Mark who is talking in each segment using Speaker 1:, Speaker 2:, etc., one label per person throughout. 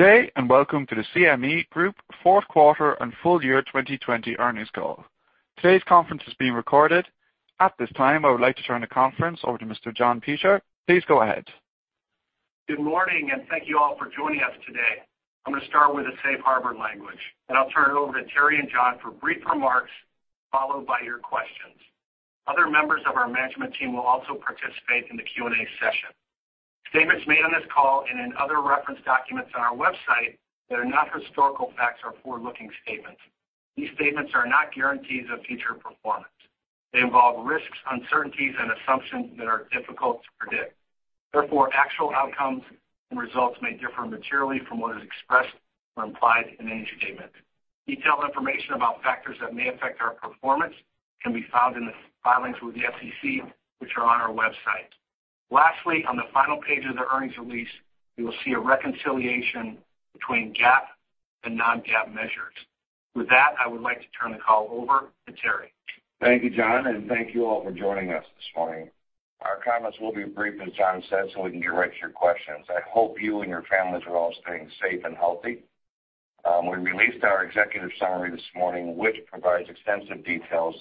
Speaker 1: Good day, welcome to the CME Group fourth quarter and full year 2020 earnings call. Today's conference is being recorded. At this time, I would like to turn the conference over to Mr. John Pietrowicz. Please go ahead.
Speaker 2: Good morning, and thank you all for joining us today. I'm going to start with the safe harbor language, then I'll turn it over to Terry and John for brief remarks, followed by your questions. Other members of our management team will also participate in the Q&A session. Statements made on this call and in other reference documents on our website that are not historical facts are forward-looking statements. These statements are not guarantees of future performance. They involve risks, uncertainties, and assumptions that are difficult to predict. Therefore, actual outcomes and results may differ materially from what is expressed or implied in any statement. Detailed information about factors that may affect our performance can be found in the filings with the SEC, which are on our website. Lastly, on the final page of the earnings release, you will see a reconciliation between GAAP and non-GAAP measures. With that, I would like to turn the call over to Terry.
Speaker 3: Thank you, John. Thank you all for joining us this morning. Our comments will be brief, as John said, so we can get right to your questions. I hope you and your families are all staying safe and healthy. We released our executive summary this morning, which provides extensive details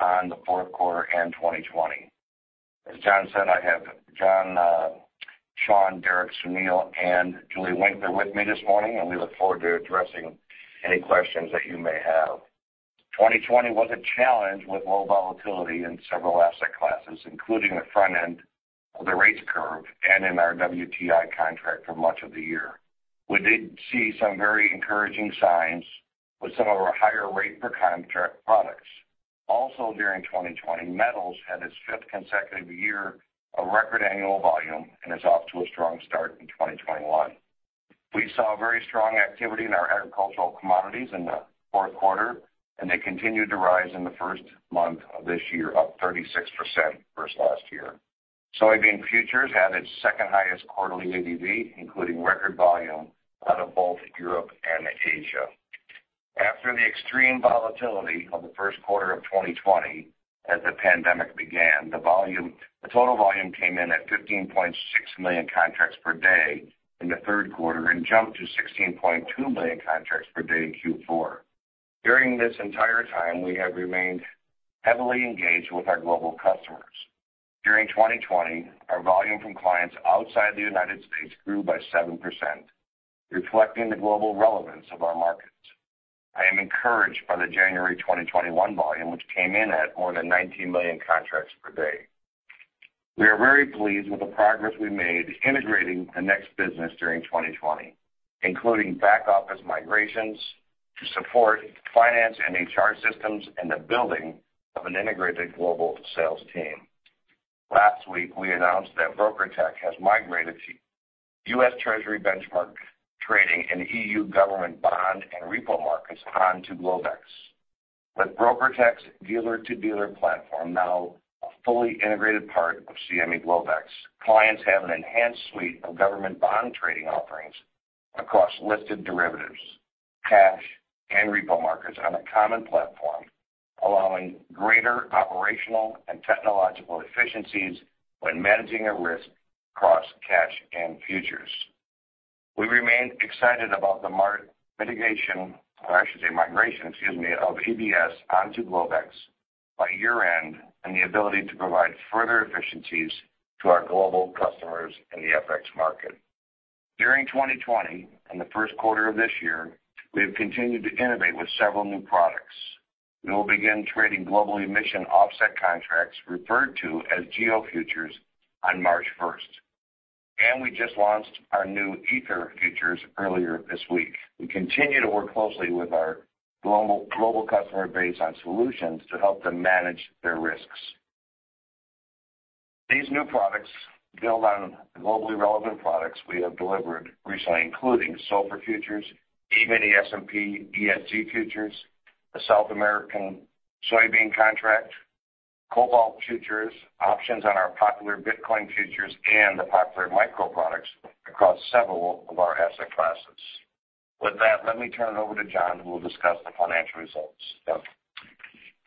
Speaker 3: on the fourth quarter and 2020. As John said, I have John, Sean, Derek, Sunil, and Julie Winkler with me this morning, and we look forward to addressing any questions that you may have. 2020 was a challenge with low volatility in several asset classes, including the front end of the rates curve and in our WTI contract for much of the year. We did see some very encouraging signs with some of our higher rate per contract products. Also during 2020, Metals had its fifth consecutive year of record annual volume and is off to a strong start in 2021. We saw very strong activity in our agricultural commodities in the fourth quarter. They continued to rise in the first month of this year, up 36% versus last year. Soybean futures had its second highest quarterly ADV, including record volume out of both Europe and Asia. After the extreme volatility of the first quarter of 2020 as the pandemic began, the total volume came in at 15.6 million contracts per day in the third quarter and jumped to 16.2 million contracts per day in Q4. During this entire time, we have remained heavily engaged with our global customers. During 2020, our volume from clients outside the United States grew by 7%, reflecting the global relevance of our markets. I am encouraged by the January 2021 volume, which came in at more than 19 million contracts per day. We are very pleased with the progress we made integrating the NEX business during 2020, including back-office migrations to support finance and HR systems and the building of an integrated global sales team. Last week, we announced that BrokerTec has migrated to U.S. Treasury benchmark trading and EU government bond and repo markets onto Globex. With BrokerTec's dealer-to-dealer platform now a fully integrated part of CME Globex, clients have an enhanced suite of government bond trading offerings across listed derivatives, cash, and repo markets on a common platform, allowing greater operational and technological efficiencies when managing a risk across cash and futures. We remain excited about the migration of EBS onto Globex by year-end and the ability to provide further efficiencies to our global customers in the FX market. During 2020 and the first quarter of this year, we have continued to innovate with several new products. We will begin trading Global Emissions Offset contracts, referred to as GEO futures on March 1st, and we just launched our new Ether futures earlier this week. We continue to work closely with our global customer base on solutions to help them manage their risks. These new products build on globally relevant products we have delivered recently, including SOFR futures, E-mini S&P 500 ESG futures, the South American soybean contract, cobalt futures, options on our popular Bitcoin futures, and the popular micro products across several of our asset classes. With that, let me turn it over to John, who will discuss the financial results. John.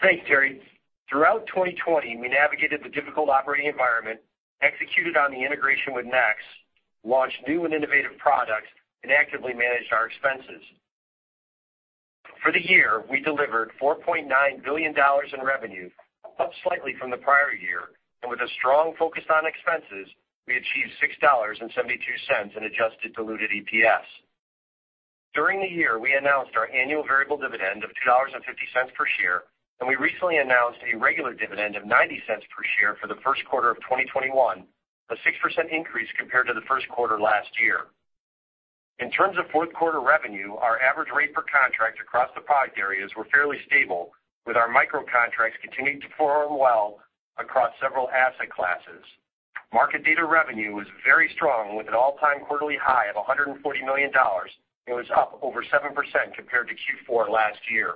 Speaker 2: Thanks, Terry. Throughout 2020, we navigated the difficult operating environment, executed on the integration with NEX, launched new and innovative products, and actively managed our expenses. For the year, we delivered $4.9 billion in revenue, up slightly from the prior year, and with a strong focus on expenses, we achieved $6.72 in adjusted diluted EPS. During the year, we announced our annual variable dividend of $2.50 per share, and we recently announced a regular dividend of $0.90 per share for the first quarter of 2021, a 6% increase compared to the first quarter last year. In terms of fourth quarter revenue, our average rate per contract across the product areas were fairly stable, with our micro contracts continuing to perform well across several asset classes. Market data revenue was very strong with an all-time quarterly high of $140 million. It was up over 7% compared to Q4 last year.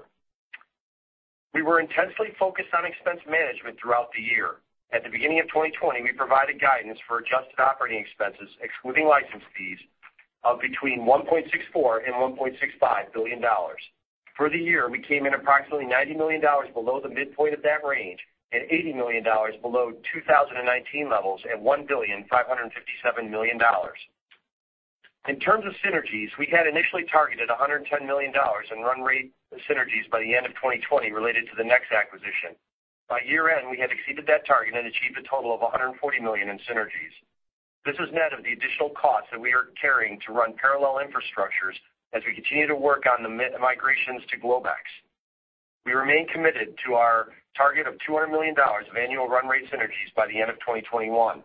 Speaker 2: We were intensely focused on expense management throughout the year. At the beginning of 2020, we provided guidance for adjusted operating expenses, excluding license fees, of between $1.64 billion and $1.65 billion. For the year, we came in approximately $90 million below the midpoint of that range and $80 million below 2019 levels at $1.557 billion. In terms of synergies, we had initially targeted $110 million in run rate synergies by the end of 2020 related to the NEX acquisition. By year-end, we had exceeded that target and achieved a total of $140 million in synergies. This was net of the additional costs that we are carrying to run parallel infrastructures as we continue to work on the migrations to Globex. We remain committed to our target of $200 million of annual run rate synergies by the end of 2021.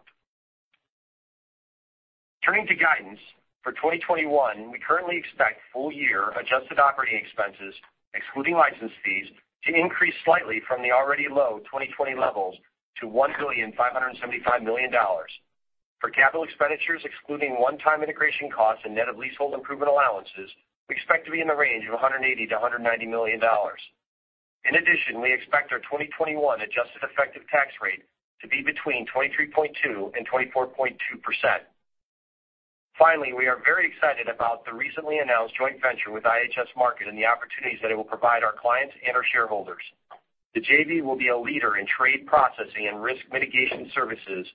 Speaker 2: Turning to guidance. For 2021, we currently expect full-year adjusted operating expenses, excluding license fees, to increase slightly from the already low 2020 levels to $1.575 billion. For capital expenditures, excluding one-time integration costs and net of leasehold improvement allowances, we expect to be in the range of $180 to $190 million. In addition, we expect our 2021 adjusted effective tax rate to be between 23.2% and 24.2%. Finally, we are very excited about the recently announced joint venture with IHS Markit and the opportunities that it will provide our clients and our shareholders. The JV will be a leader in trade processing and risk mitigation services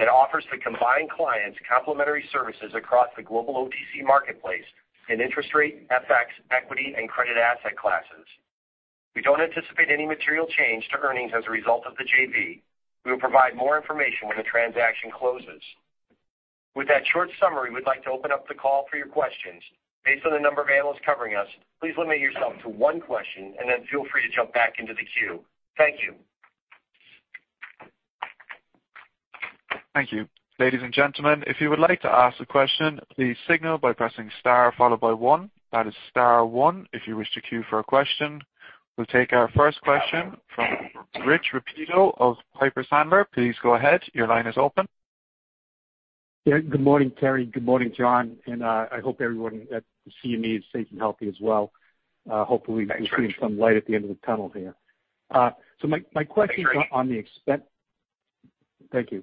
Speaker 2: that offers to combine clients complementary services across the global OTC marketplace in interest rate, FX, equity, and credit asset classes. We don't anticipate any material change to earnings as a result of the JV. We will provide more information when the transaction closes. With that short summary, we'd like to open up the call for your questions. Based on the number of analysts covering us, please limit yourself to one question and then feel free to jump back into the queue. Thank you.
Speaker 1: Thank you. Ladies and gentlemen, if you would like to ask a question, please signal by pressing star followed by one. That is star one if you wish to queue for a question. We'll take our first question from Rich Repetto of Piper Sandler. Please go ahead. Your line is open.
Speaker 4: Good morning, Terry. Good morning, John, and I hope everyone at CME is safe and healthy as well.
Speaker 2: Thanks, Rich.
Speaker 4: we're seeing some light at the end of the tunnel here.
Speaker 2: Thanks, Rich.
Speaker 4: on the expense. Thank you.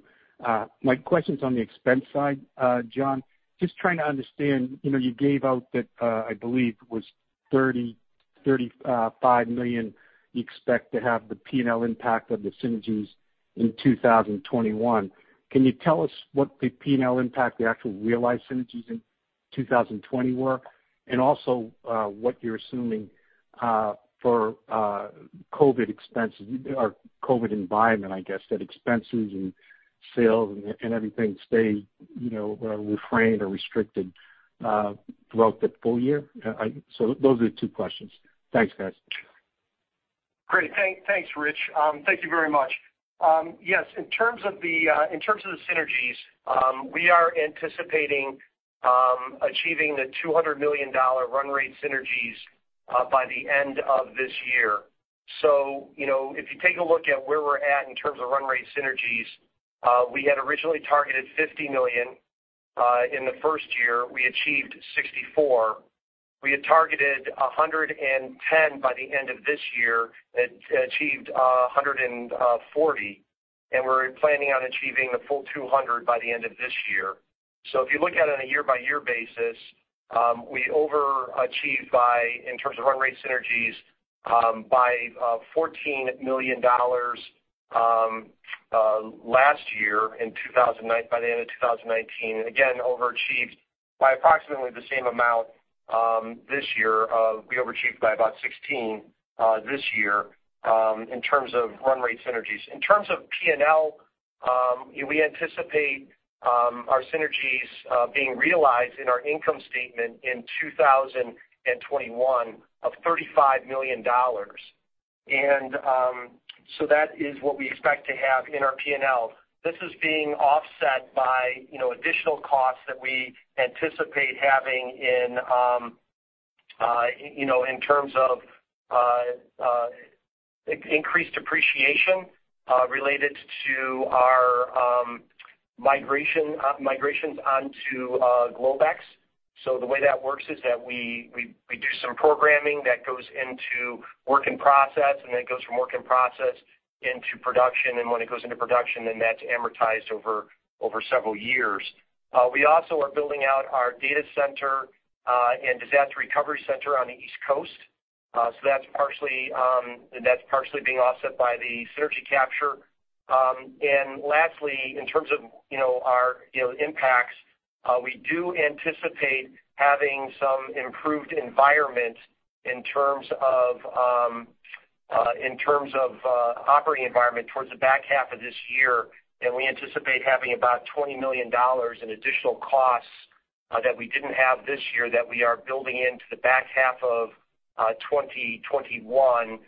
Speaker 4: My question's on the expense side. John, just trying to understand. You gave out that, I believe it was $35 million you expect to have the P&L impact of the synergies in 2021. Can you tell us what the P&L impact, the actual realized synergies in 2020 were? Also, what you're assuming for COVID expenses or COVID environment, I guess that expenses and sales and everything stay refrained or restricted throughout the full year? Those are the two questions. Thanks, guys.
Speaker 2: Great. Thanks, Rich. Thank you very much. Yes, in terms of the synergies, we are anticipating achieving the $200 million run rate synergies by the end of this year. If you take a look at where we're at in terms of run rate synergies, we had originally targeted $50 million. In the first year, we achieved $64. We had targeted $110 by the end of this year and achieved $140. We're planning on achieving the full $200 by the end of this year. If you look at it on a year-by-year basis, we overachieved by, in terms of run rate synergies, by $14 million last year by the end of 2019, again, overachieved by approximately the same amount this year. We overachieved by about $16 this year in terms of run rate synergies. In terms of P&L, we anticipate our synergies being realized in our income statement in 2021 of $35 million. That is what we expect to have in our P&L. This is being offset by additional costs that we anticipate having in terms of increased depreciation related to our migrations onto Globex. The way that works is that we do some programming that goes into work in process, and then it goes from work in process into production. When it goes into production, then that's amortized over several years. We also are building out our data center and disaster recovery center on the East Coast. That's partially being offset by the synergy capture. Lastly, in terms of our impacts, we do anticipate having some improved environment in terms of operating environment towards the back half of this year. We anticipate having about $20 million in additional costs that we didn't have this year that we are building into the back half of 2021,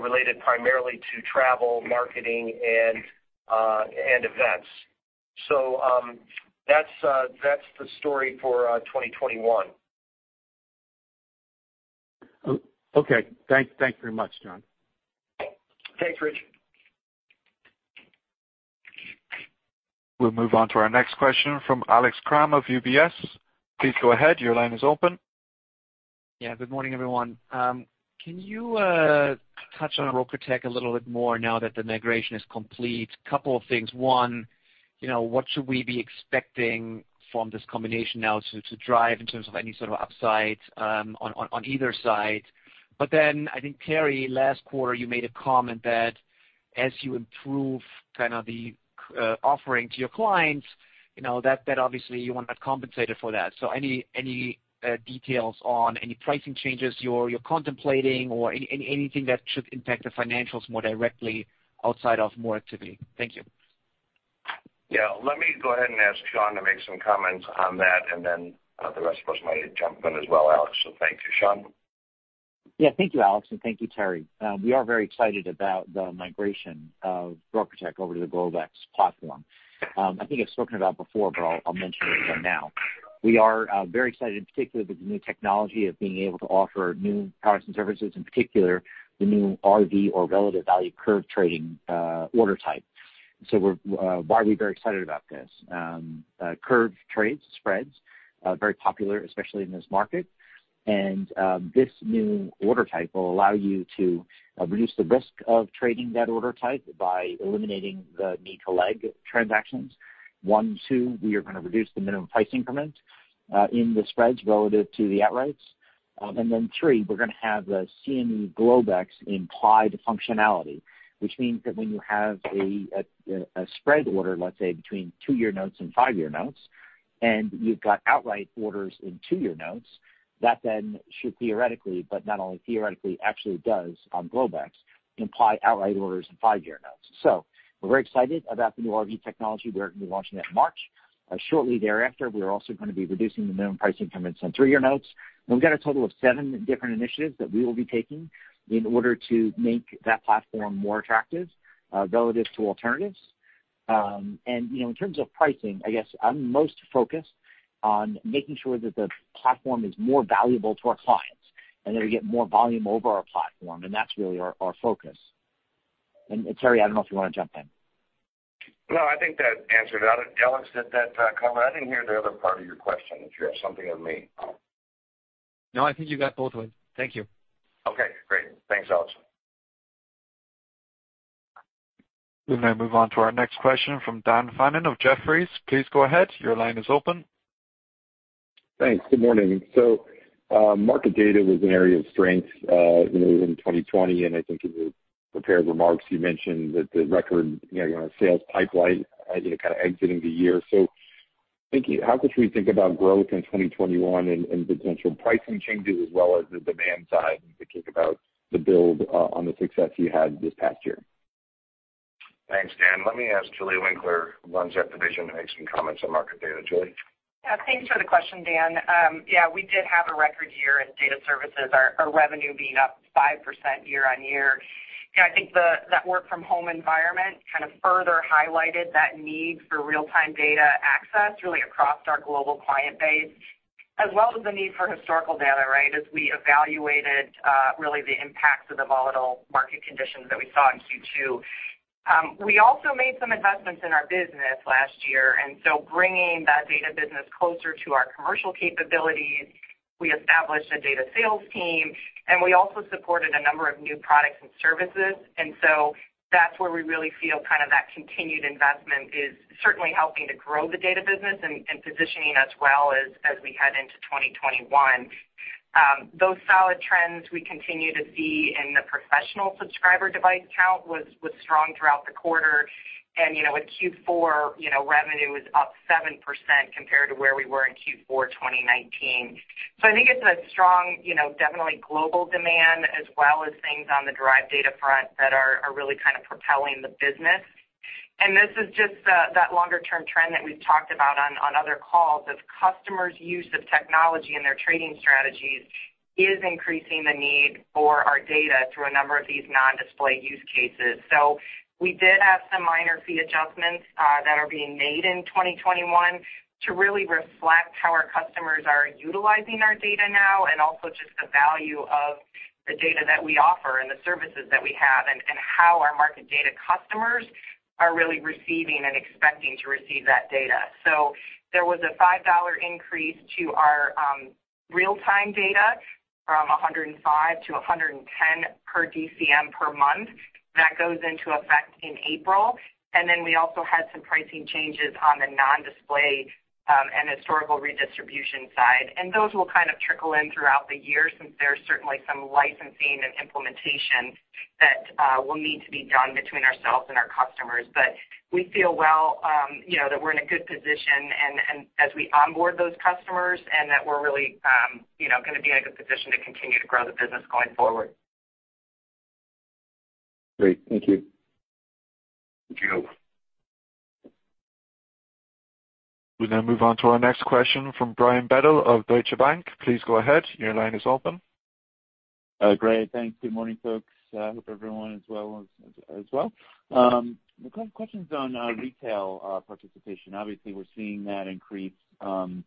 Speaker 2: related primarily to travel, marketing, and events. That's the story for 2021.
Speaker 4: Okay. Thanks very much, John.
Speaker 2: Thanks, Rich.
Speaker 1: We'll move on to our next question from Alex Kramm of UBS. Please go ahead. Your line is open.
Speaker 5: Yeah. Good morning, everyone. Can you touch on BrokerTec a little bit more now that the migration is complete. Couple of things. One, what should we be expecting from this combination now to drive in terms of any sort of upside on either side? I think, Terry, last quarter you made a comment that as you improve the offering to your clients, that obviously you want to get compensated for that. Any details on any pricing changes you're contemplating or anything that should impact the financials more directly outside of more activity? Thank you.
Speaker 3: Yeah. Let me go ahead and ask Sean to make some comments on that, and then the rest of us might jump in as well, Alex. Thank you. Sean?
Speaker 6: Yeah. Thank you, Alex, and thank you, Terry. We are very excited about the migration of BrokerTec over to the Globex platform. I think I've spoken about it before, but I'll mention it again now. We are very excited, particularly with the new technology of being able to offer new products and services, in particular the new RV or relative value curve trading order type. So why are we very excited about this? Curve trades, spreads, very popular, especially in this market. And this new order type will allow you to reduce the risk of trading that order type by eliminating the need to leg transactions. One, two, we are going to reduce the minimum price increment in the spreads relative to the outrights. Then three, we're going to have the CME Globex implied functionality, which means that when you have a spread order, let's say, between two-year notes and five-year notes, and you've got outright orders in two-year notes, that then should theoretically, but not only theoretically, actually does on Globex, imply outright orders in five-year notes. We're very excited about the new RV technology. We're going to be launching that in March. Shortly thereafter, we are also going to be reducing the minimum price increments on three-year notes. We've got a total of seven different initiatives that we will be taking in order to make that platform more attractive relative to alternatives. In terms of pricing, I guess I'm most focused on making sure that the platform is more valuable to our clients and that we get more volume over our platform, and that's really our focus. Terry, I don't know if you want to jump in.
Speaker 3: No, I think that answered it. Alex, I didn't hear the other part of your question, if you have something of me.
Speaker 5: No, I think you got both of them. Thank you.
Speaker 3: Okay, great. Thanks, Alex.
Speaker 1: We'll now move on to our next question from Dan Fannon of Jefferies. Please go ahead.
Speaker 7: Thanks. Good morning. Market data was an area of strength in 2020, and I think in the prepared remarks, you mentioned the record sales pipeline exiting the year. How should we think about growth in 2021 and potential pricing changes as well as the demand side, thinking about the build on the success you had this past year?
Speaker 3: Thanks, Dan. Let me ask Julie Winkler, who runs that division, to make some comments on market data. Julie?
Speaker 8: Yeah. Thanks for the question, Dan. Yeah, we did have a record year in data services, our revenue being up 5% year-over-year. I think that work-from-home environment kind of further highlighted that need for real-time data access, really across our global client base, as well as the need for historical data, right? As we evaluated really the impact of the volatile market conditions that we saw in Q2. We also made some investments in our business last year, bringing that data business closer to our commercial capabilities, we established a data sales team, and we also supported a number of new products and services. That's where we really feel that continued investment is certainly helping to grow the data business and positioning us well as we head into 2021. Those solid trends we continue to see in the professional subscriber device count was strong throughout the quarter. With Q4, revenue was up 7% compared to where we were in Q4 2019. I think it's a strong, definitely global demand, as well as things on the derived data front that are really kind of propelling the business. This is just that longer-term trend that we've talked about on other calls, of customers' use of technology and their trading strategies is increasing the need for our data through a number of these non-display use cases. We did have some minor fee adjustments that are being made in 2021 to really reflect how our customers are utilizing our data now, and also just the value of the data that we offer and the services that we have and how our market data customers are really receiving and expecting to receive that data. There was a $5 increase to our real-time data from $105 to $110 per DCM per month. That goes into effect in April. Then we also had some pricing changes on the non-display and historical redistribution side. Those will kind of trickle in throughout the year since there's certainly some licensing and implementation that will need to be done between ourselves and our customers. We feel well, that we're in a good position and as we onboard those customers and that we're really going to be in a good position to continue to grow the business going forward.
Speaker 7: Great. Thank you.
Speaker 3: Thank you.
Speaker 1: We'll now move on to our next question from Brian Bedell of Deutsche Bank. Please go ahead. Your line is open.
Speaker 9: Great. Thanks. Good morning, folks. Hope everyone is well. My question's on retail participation. We're seeing that increase in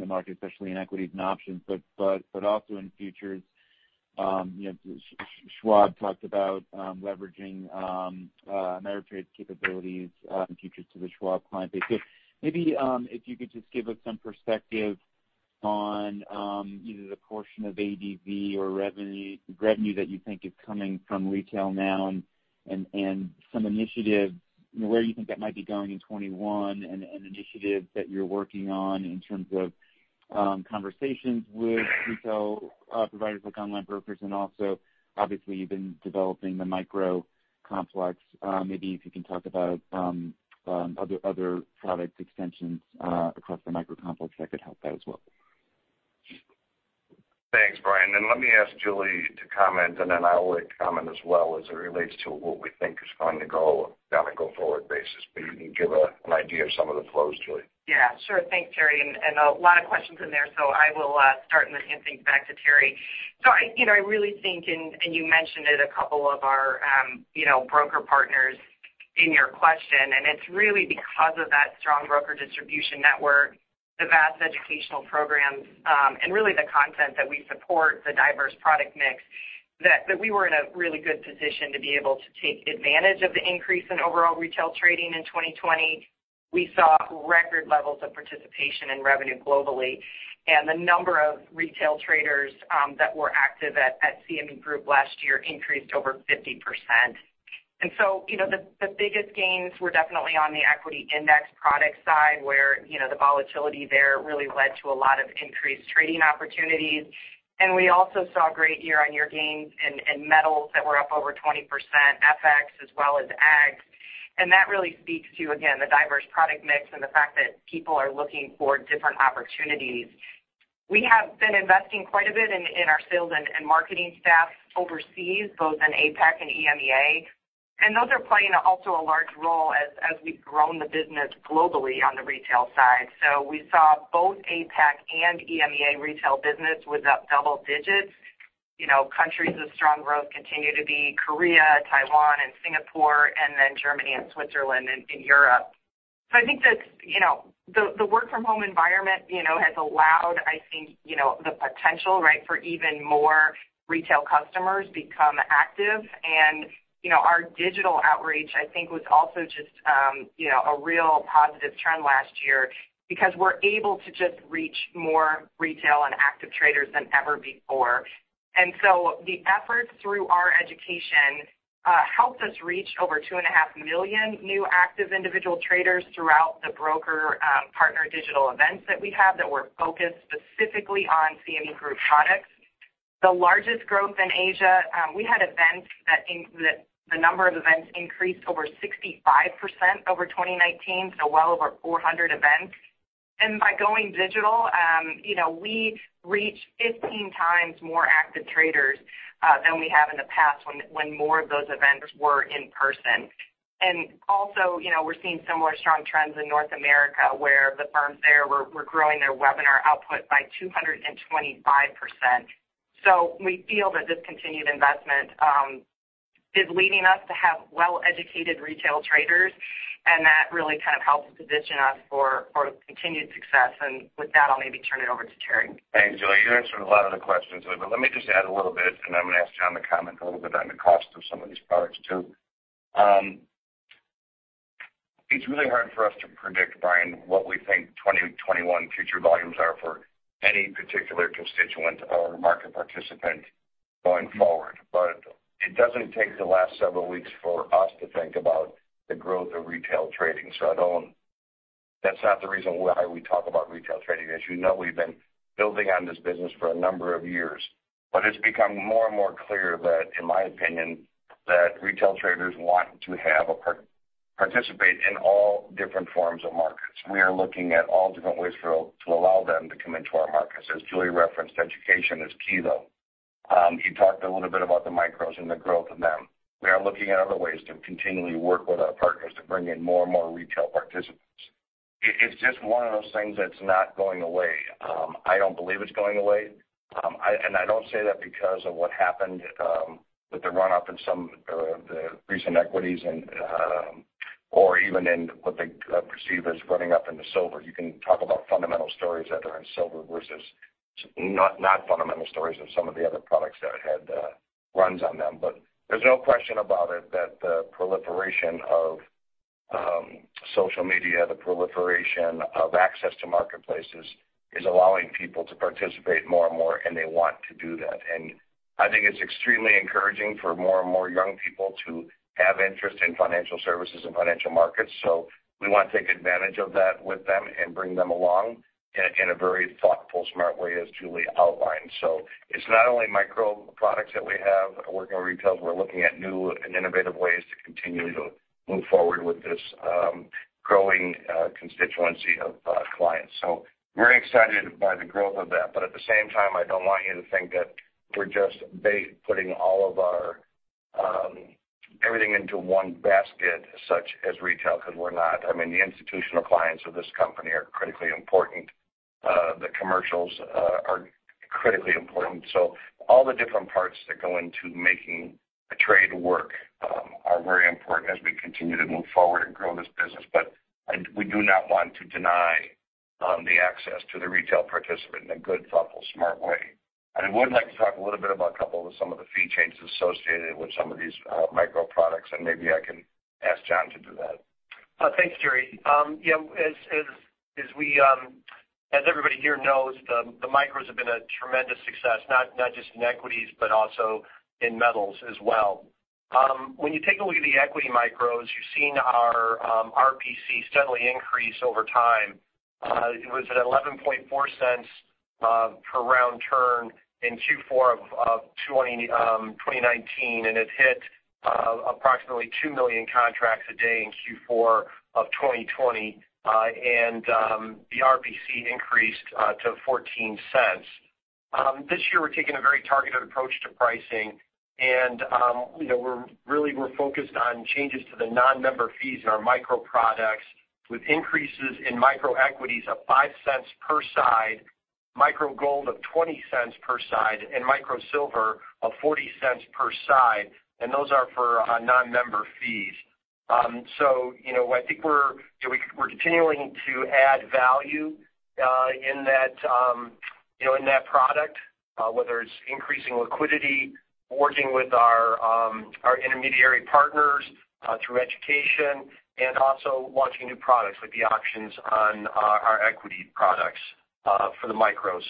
Speaker 9: the market, especially in equities and options, but also in futures. Schwab talked about leveraging Ameritrade's capabilities in futures to the Schwab client base. Maybe if you could just give us some perspective on either the portion of ADV or revenue that you think is coming from retail now and some initiative where you think that might be going in 2021 and an initiative that you're working on in terms of conversations with retail providers like online brokers. You've been developing the micro complex. Maybe if you can talk about other product extensions across the micro complex, that could help that as well.
Speaker 3: Thanks, Brian. Let me ask Julie to comment, I will comment as well as it relates to what we think is going to go down a go-forward basis. You give an idea of some of the flows, Julie.
Speaker 8: Yeah, sure. Thanks, Terry. A lot of questions in there, so I will start and then hand things back to Terry. I really think, and you mentioned it, a couple of our broker partners in your question, and it's really because of that strong broker distribution network, the vast educational programs, and really the content that we support, the diverse product mix, that we were in a really good position to be able to take advantage of the increase in overall retail trading in 2020. We saw record levels of participation in revenue globally, and the number of retail traders that were active at CME Group last year increased over 50%. The biggest gains were definitely on the equity index product side, where the volatility there really led to a lot of increased trading opportunities. We also saw great year-on-year gains in metals that were up over 20%, FX as well as ag. That really speaks to, again, the diverse product mix and the fact that people are looking for different opportunities. We have been investing quite a bit in our sales and marketing staff overseas, both in APAC and EMEA. Those are playing also a large role as we've grown the business globally on the retail side. We saw both APAC and EMEA retail business was up double digits. Countries of strong growth continue to be Korea, Taiwan, and Singapore, and then Germany and Switzerland in Europe. I think that the work-from-home environment has allowed, I think, the potential for even more retail customers become active. Our digital outreach, I think, was also just a real positive trend last year because we're able to just reach more retail and active traders than ever before. So the efforts through our education helped us reach over 2.5 million new active individual traders throughout the broker partner digital events that we have that were focused specifically on CME Group products. The largest growth in Asia, we had events that the number of events increased over 65% over 2019, so well over 400 events. By going digital, we reached 15x more active traders than we have in the past when more of those events were in person. Also, we're seeing similar strong trends in North America, where the firms there were growing their webinar output by 225%. We feel that this continued investment is leading us to have well-educated retail traders, and that really kind of helps position us for continued success. With that, I'll maybe turn it over to Terry.
Speaker 3: Thanks, Julie. You answered a lot of the questions, let me just add a little bit, then I'm going to ask John to comment a little bit on the cost of some of these products, too. It's really hard for us to predict, Brian, what we think 2021 future volumes are for any particular constituent or market participant going forward. It doesn't take the last several weeks for us to think about the growth of retail trading. That's not the reason why we talk about retail trading. As you know, we've been building on this business for a number of years. It's become more and more clear that, in my opinion, that retail traders want to participate in all different forms of markets. We are looking at all different ways to allow them to come into our markets. As Julie referenced, education is key, though. You talked a little bit about the micros and the growth of them. We are looking at other ways to continually work with our partners to bring in more and more retail participants. It's just one of those things that's not going away. I don't believe it's going away. I don't say that because of what happened with the run-up in some of the recent equities and, or even in what they perceive as running up into silver. You can talk about fundamental stories that are in silver versus not fundamental stories of some of the other products that had runs on them. There's no question about it that the proliferation of social media, the proliferation of access to marketplaces, is allowing people to participate more and more, and they want to do that. I think it's extremely encouraging for more and more young people to have interest in financial services and financial markets. We want to take advantage of that with them and bring them along in a very thoughtful, smart way, as Julie outlined. It's not only micro products that we have working with retail, we're looking at new and innovative ways to continue to move forward with this growing constituency of clients. We're excited by the growth of that. At the same time, I don't want you to think that we're just putting everything into one basket such as retail, because we're not. I mean, the institutional clients of this company are critically important. The commercials are critically important. All the different parts that go into making a trade work are very important as we continue to move forward and grow this business. We do not want to deny the access to the retail participant in a good, thoughtful, smart way. I would like to talk a little bit about a couple of some of the fee changes associated with some of these micro products, and maybe I can ask John to do that.
Speaker 2: Thanks, Terry. As everybody here knows, the micros have been a tremendous success, not just in equities, but also in metals as well. When you take a look at the equity micros, you've seen our RPC steadily increase over time. It was at $0.114 per round turn in Q4 of 2019, and it hit approximately 2 million contracts a day in Q4 of 2020, and the RPC increased to $0.14. This year, we're taking a very targeted approach to pricing, and we're focused on changes to the non-member fees in our micro products, with increases in micro equities of $0.05 per side, micro gold of $0.20 per side, and micro silver of $0.40 per side, and those are for non-member fees. I think we're continuing to add value in that product, whether it's increasing liquidity, working with our intermediary partners through education, and also launching new products like the options on our equity products for the micros.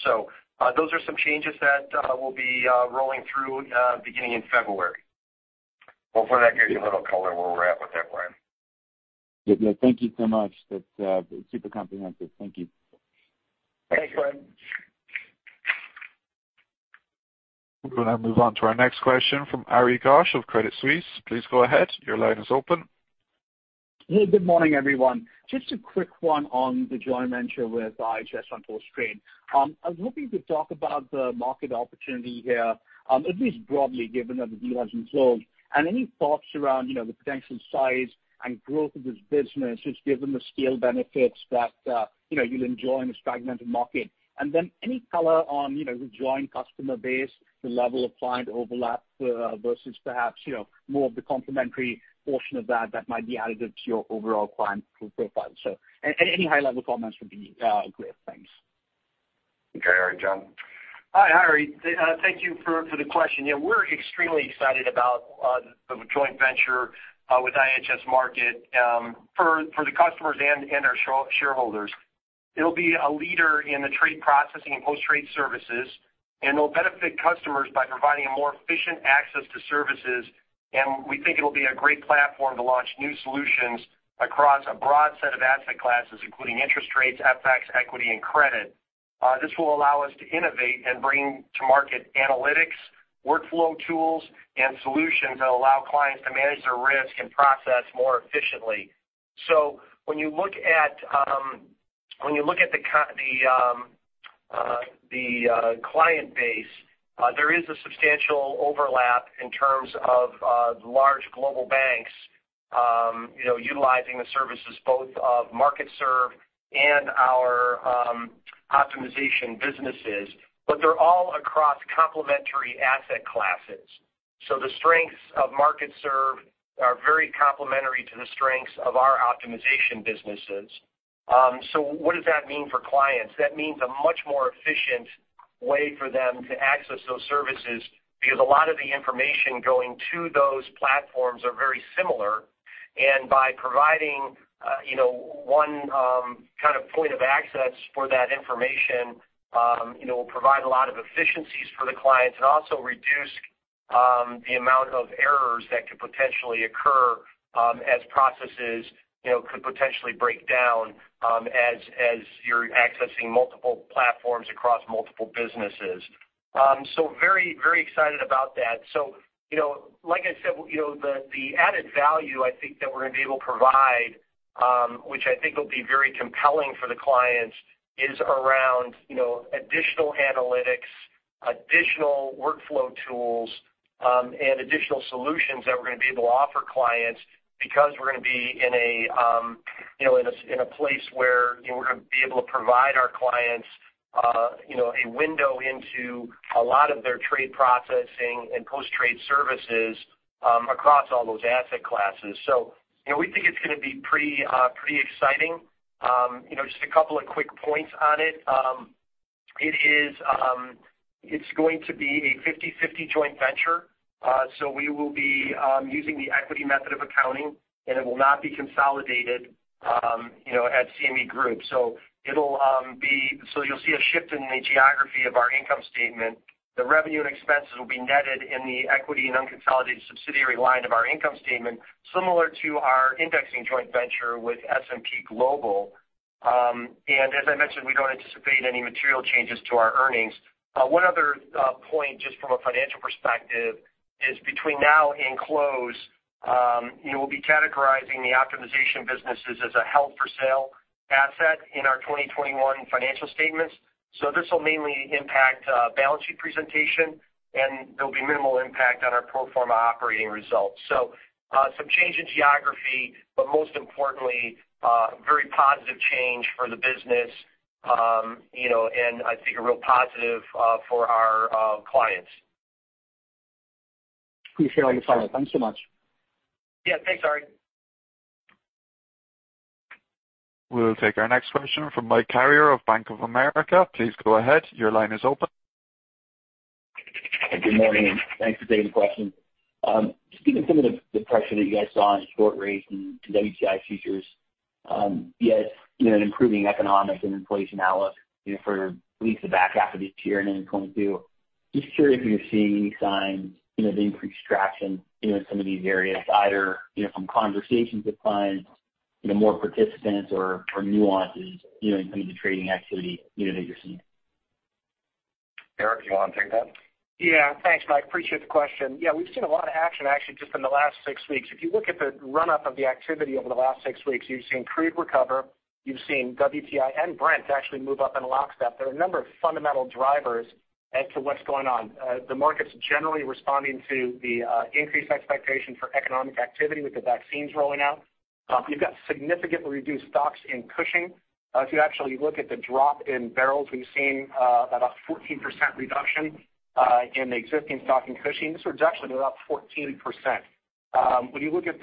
Speaker 2: Those are some changes that we'll be rolling through beginning in February. Hopefully that gives you a little color where we're at with that, Brian.
Speaker 9: Yeah. Thank you so much. That's super comprehensive. Thank you.
Speaker 2: Thanks, Brian.
Speaker 1: We'll now move on to our next question from Ari Ghosh of Credit Suisse. Please go ahead. Your line is open.
Speaker 10: Hey, good morning, everyone. Just a quick one on the joint venture with IHS Markit. I was hoping to talk about the market opportunity here, at least broadly, given that the deal has been closed. Any thoughts around the potential size and growth of this business, just given the scale benefits that you'll enjoy in this fragmented market. Any color on the joint customer base, the level of client overlap, versus perhaps more of the complimentary portion of that might be additive to your overall client profile. Any high-level comments would be great. Thanks.
Speaker 3: Okay, Ari. John?
Speaker 2: Hi, Ari. Thank you for the question. We're extremely excited about the joint venture with IHS Markit for the customers and our shareholders. It'll be a leader in the trade processing and post-trade services, and it'll benefit customers by providing a more efficient access to services, and we think it'll be a great platform to launch new solutions across a broad set of asset classes, including interest rates, FX, equity, and credit. This will allow us to innovate and bring to market analytics, workflow tools, and solutions that allow clients to manage their risk and process more efficiently. When you look at the client base, there is a substantial overlap in terms of large global banks utilizing the services both of MarkitSERV and our optimization businesses. They're all across complementary asset classes. The strengths of MarkitSERV are very complementary to the strengths of our optimization businesses. What does that mean for clients? That means a much more efficient way for them to access those services because a lot of the information going to those platforms are very similar, and by providing one kind of point of access for that information will provide a lot of efficiencies for the clients and also reduce the amount of errors that could potentially occur as processes could potentially break down as you're accessing multiple platforms across multiple businesses. Very excited about that. Like I said, the added value I think that we're going to be able to provide, which I think will be very compelling for the clients, is around additional analytics, additional workflow tools, and additional solutions that we're going to be able to offer clients because we're going to be in a place where we're going to be able to provide our clients a window into a lot of their trade processing and post-trade services across all those asset classes. We think it's going to be pretty exciting. Just a couple of quick points on it. It's going to be a 50/50 joint venture. We will be using the equity method of accounting, and it will not be consolidated at CME Group. You'll see a shift in the geography of our income statement. The revenue and expenses will be netted in the equity and unconsolidated subsidiary line of our income statement, similar to our indexing joint venture with S&P Global. As I mentioned, we don't anticipate any material changes to our earnings. One other point, just from a financial perspective, is between now and close, we'll be categorizing the optimization businesses as a held for sale asset in our 2021 financial statements. This will mainly impact balance sheet presentation, and there'll be minimal impact on our pro forma operating results. Some change in geography, but most importantly, very positive change for the business, and I think a real positive for our clients.
Speaker 10: Appreciate all the color. Thanks so much.
Speaker 2: Yeah. Thanks, Ari.
Speaker 1: We'll take our next question from Michael Carrier of Bank of America. Please go ahead. Your line is open.
Speaker 11: Good morning, and thanks for taking the question. Just given some of the pressure that you guys saw in short rates and WTI futures, yet an improving economic and inflation outlook for at least the back half of this year and into 2022, just curious if you're seeing any signs of increased traction in some of these areas, either from conversations with clients, more participants or nuances in some of the trading activity that you're seeing?
Speaker 3: Derek, do you want to take that?
Speaker 12: Thanks, Mike. Appreciate the question. We've seen a lot of action, actually, just in the last six weeks. If you look at the run-up of the activity over the last six weeks, you've seen crude recover, you've seen WTI and Brent actually move up in lockstep. There are a number of fundamental drivers as to what's going on. The market's generally responding to the increased expectation for economic activity with the vaccines rolling out. You've got significantly reduced stocks in Cushing. If you actually look at the drop in barrels, we've seen about a 14% reduction in the existing stock in Cushing. This reduction is about 14%. When you look at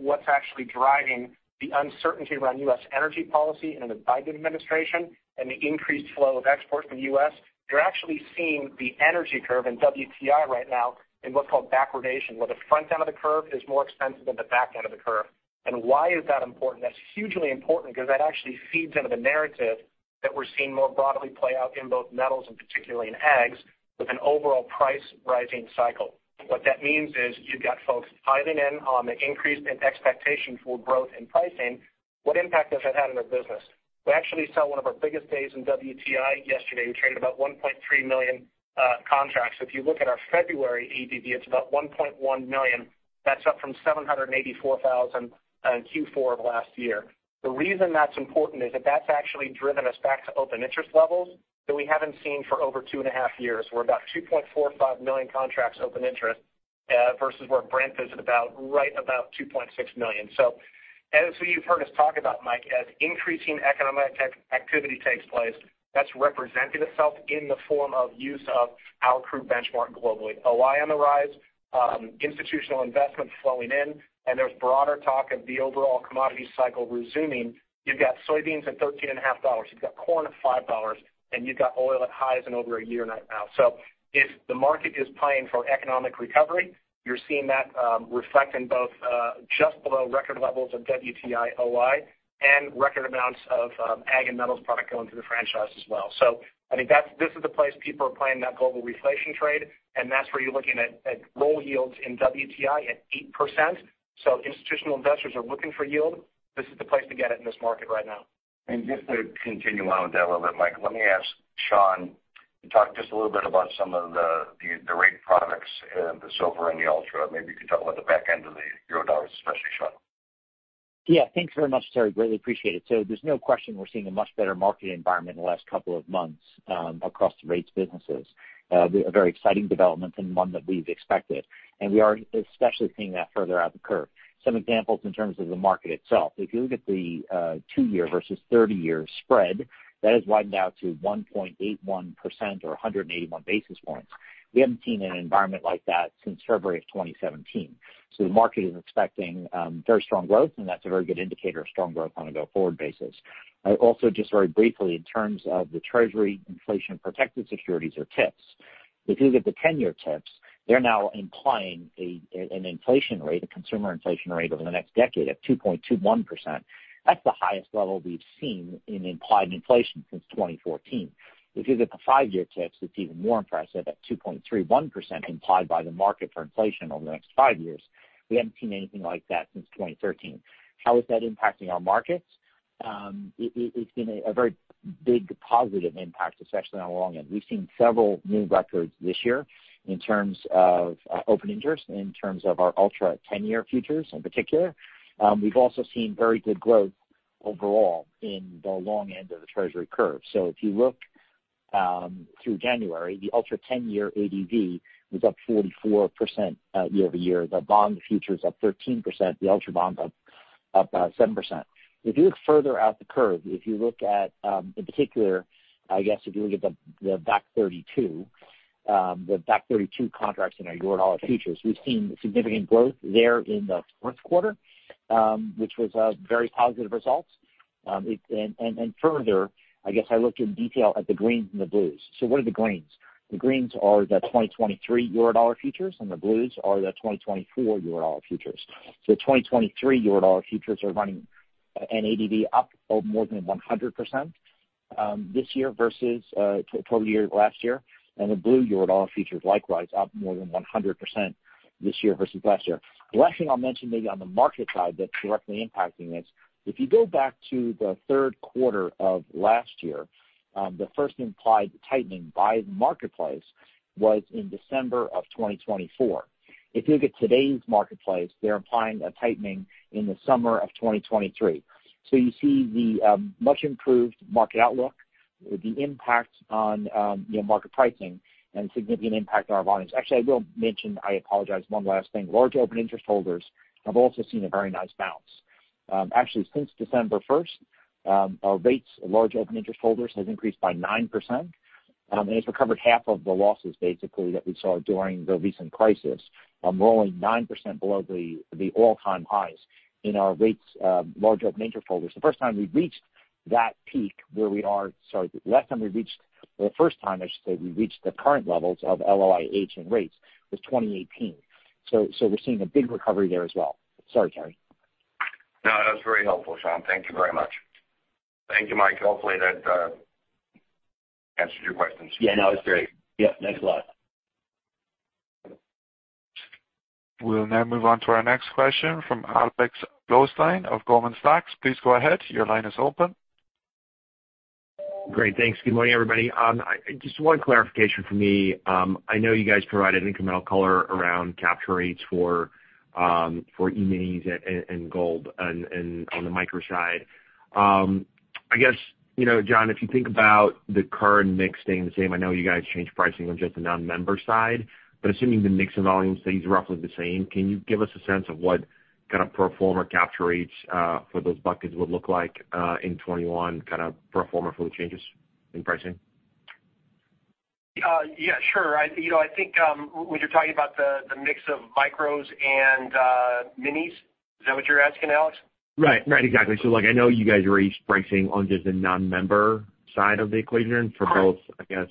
Speaker 12: what's actually driving the uncertainty around U.S. energy policy and the Biden administration and the increased flow of exports from the U.S., you're actually seeing the energy curve in WTI right now in what's called backwardation, where the front end of the curve is more expensive than the back end of the curve. Why is that important? That's hugely important because that actually feeds into the narrative that we're seeing more broadly play out in both metals and particularly in ags, with an overall price rising cycle. What that means is you've got folks piling in on the increased expectation for growth in pricing. What impact has that had on our business? We actually saw one of our biggest days in WTI yesterday. We traded about 1.3 million contracts. If you look at our February ADV, it's about 1.1 million. That's up from 784,000 in Q4 of last year. The reason that's important is that that's actually driven us back to open interest levels that we haven't seen for over two and a half years. We're about 2.45 million contracts open interest, versus where Brent is at about right about 2.6 million. As you've heard us talk about, Mike, as increasing economic activity takes place, that's represented itself in the form of use of our crude benchmark globally. OI on the rise, institutional investment flowing in, and there's broader talk of the overall commodity cycle resuming. You've got soybeans at $13.50, you've got corn at $5, and you've got oil at highs in over a year right now. If the market is playing for economic recovery, you're seeing that reflect in both just below record levels of WTI OI and record amounts of ag and metals product going through the franchise as well. I think this is the place people are playing that global reflation trade, and that's where you're looking at roll yields in WTI at 8%. Institutional investors are looking for yield. This is the place to get it in this market right now.
Speaker 3: Just to continue on with that a little bit, Mike, let me ask Sean to talk just a little bit about some of the rate products, the silver and the ultra. Maybe you could talk about the back end of the Eurodollars especially, Sean.
Speaker 6: Yeah. Thanks very much, Terry. Greatly appreciate it. There's no question we're seeing a much better market environment in the last couple of months across the rates businesses. A very exciting development and one that we've expected, and we are especially seeing that further out the curve. Some examples in terms of the market itself. If you look at the two-year versus 30-year spread, that has widened out to 1.81% or 181 basis points. We haven't seen an environment like that since February of 2017. The market is expecting very strong growth, and that's a very good indicator of strong growth on a go-forward basis. Also, just very briefly, in terms of the Treasury Inflation-Protected Securities, or TIPS. If you look at the 10-year TIPS, they're now implying an inflation rate, a consumer inflation rate, over the next decade of 2.21%. That's the highest level we've seen in implied inflation since 2014. If you look at the five-year TIPS, it's even more impressive, at 2.31% implied by the market for inflation over the next five years. We haven't seen anything like that since 2013. How is that impacting our markets? It's been a very big positive impact, especially on the long end. We've seen several new records this year in terms of open interest, in terms of our ultra 10-year futures in particular. We've also seen very good growth overall in the long end of the Treasury curve. If you look through January, the ultra 10-year ADV was up 44% year-over-year. The bond futures up 13%, the ultra bond's up 7%. If you look further out the curve, if you look at, in particular, I guess if you look at the back 32, the back 32 contracts in our Eurodollar futures, we've seen significant growth there in the first quarter, which was very positive results. Further, I guess I looked in detail at the greens and the blues. What are the greens? The greens are the 2023 Eurodollar futures, and the blues are the 2024 Eurodollar futures. 2023 Eurodollar futures are running an ADV up more than 100% this year versus total year last year, and the blue Eurodollar futures likewise up more than 100% this year versus last year. The last thing I'll mention maybe on the market side that's directly impacting this, if you go back to the third quarter of last year, the first implied tightening by the marketplace was in December of 2024. If you look at today's marketplace, they're implying a tightening in the summer of 2023. You see the much-improved market outlook, the impact on market pricing, and significant impact on our volumes. Actually, I will mention, I apologize, one last thing. Large open interest holders have also seen a very nice bounce. Actually, since December 1st, our rates large open interest holders has increased by 9%, and it's recovered half of the losses basically that we saw during the recent crisis, rolling 9% below the all-time highs in our rates large open interest holders. The first time, I should say, we reached the current levels of LOIH and rates was 2018. We're seeing a big recovery there as well. Sorry, Terry.
Speaker 3: No, that was very helpful, Sean. Thank you very much. Thank you, Mike. Hopefully that answered your questions.
Speaker 11: Yeah. No, it was great. Yep, thanks a lot.
Speaker 1: We'll now move on to our next question from Alex Blostein of Goldman Sachs. Please go ahead. Your line is open.
Speaker 13: Great. Thanks. Good morning, everybody. Just one clarification for me. I know you guys provided incremental color around capture rates for E-minis and Gold on the micro side. I guess, John, if you think about the current mix staying the same, I know you guys changed pricing on just the non-member side, but assuming the mix in volume stays roughly the same, can you give us a sense of what kind of pro forma capture rates for those buckets would look like in 2021, pro forma for the changes in pricing?
Speaker 2: Yeah, sure. I think when you're talking about the mix of micros and minis, is that what you're asking, Alex?
Speaker 13: Right. Exactly. I know you guys raised pricing on just the non-member side of the equation for both, I guess,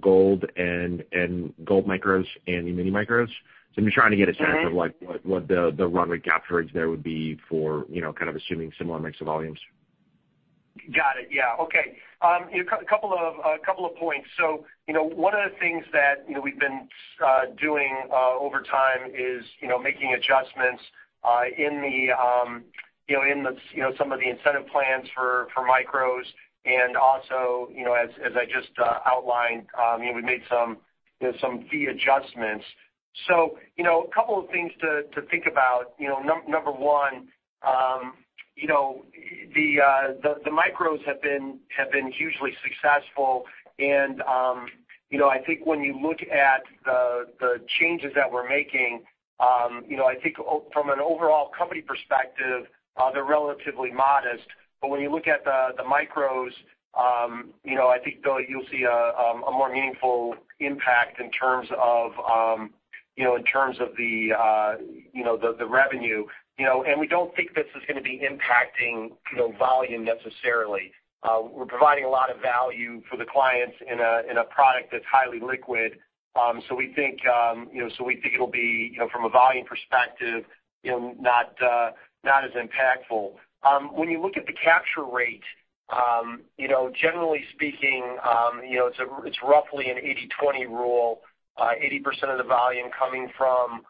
Speaker 13: Gold and Gold micros and E-mini micros. I'm just trying to get a sense of what the runway capture rates there would be for assuming similar mix of volumes.
Speaker 2: Got it. Yeah. Okay. A couple of points. One of the things that we've been doing over time is making adjustments in some of the incentive plans for micros and also, as I just outlined, we've made some fee adjustments. A couple of things to think about. Number one, the micros have been hugely successful and I think when you look at the changes that we're making, I think from an overall company perspective, they're relatively modest. When you look at the micros, I think you'll see a more meaningful impact in terms of the revenue. We don't think this is going to be impacting volume necessarily. We're providing a lot of value for the clients in a product that's highly liquid, so we think it'll be, from a volume perspective, not as impactful. When you look at the capture rate, generally speaking it's roughly an 80/20 rule. 80% of the volume coming from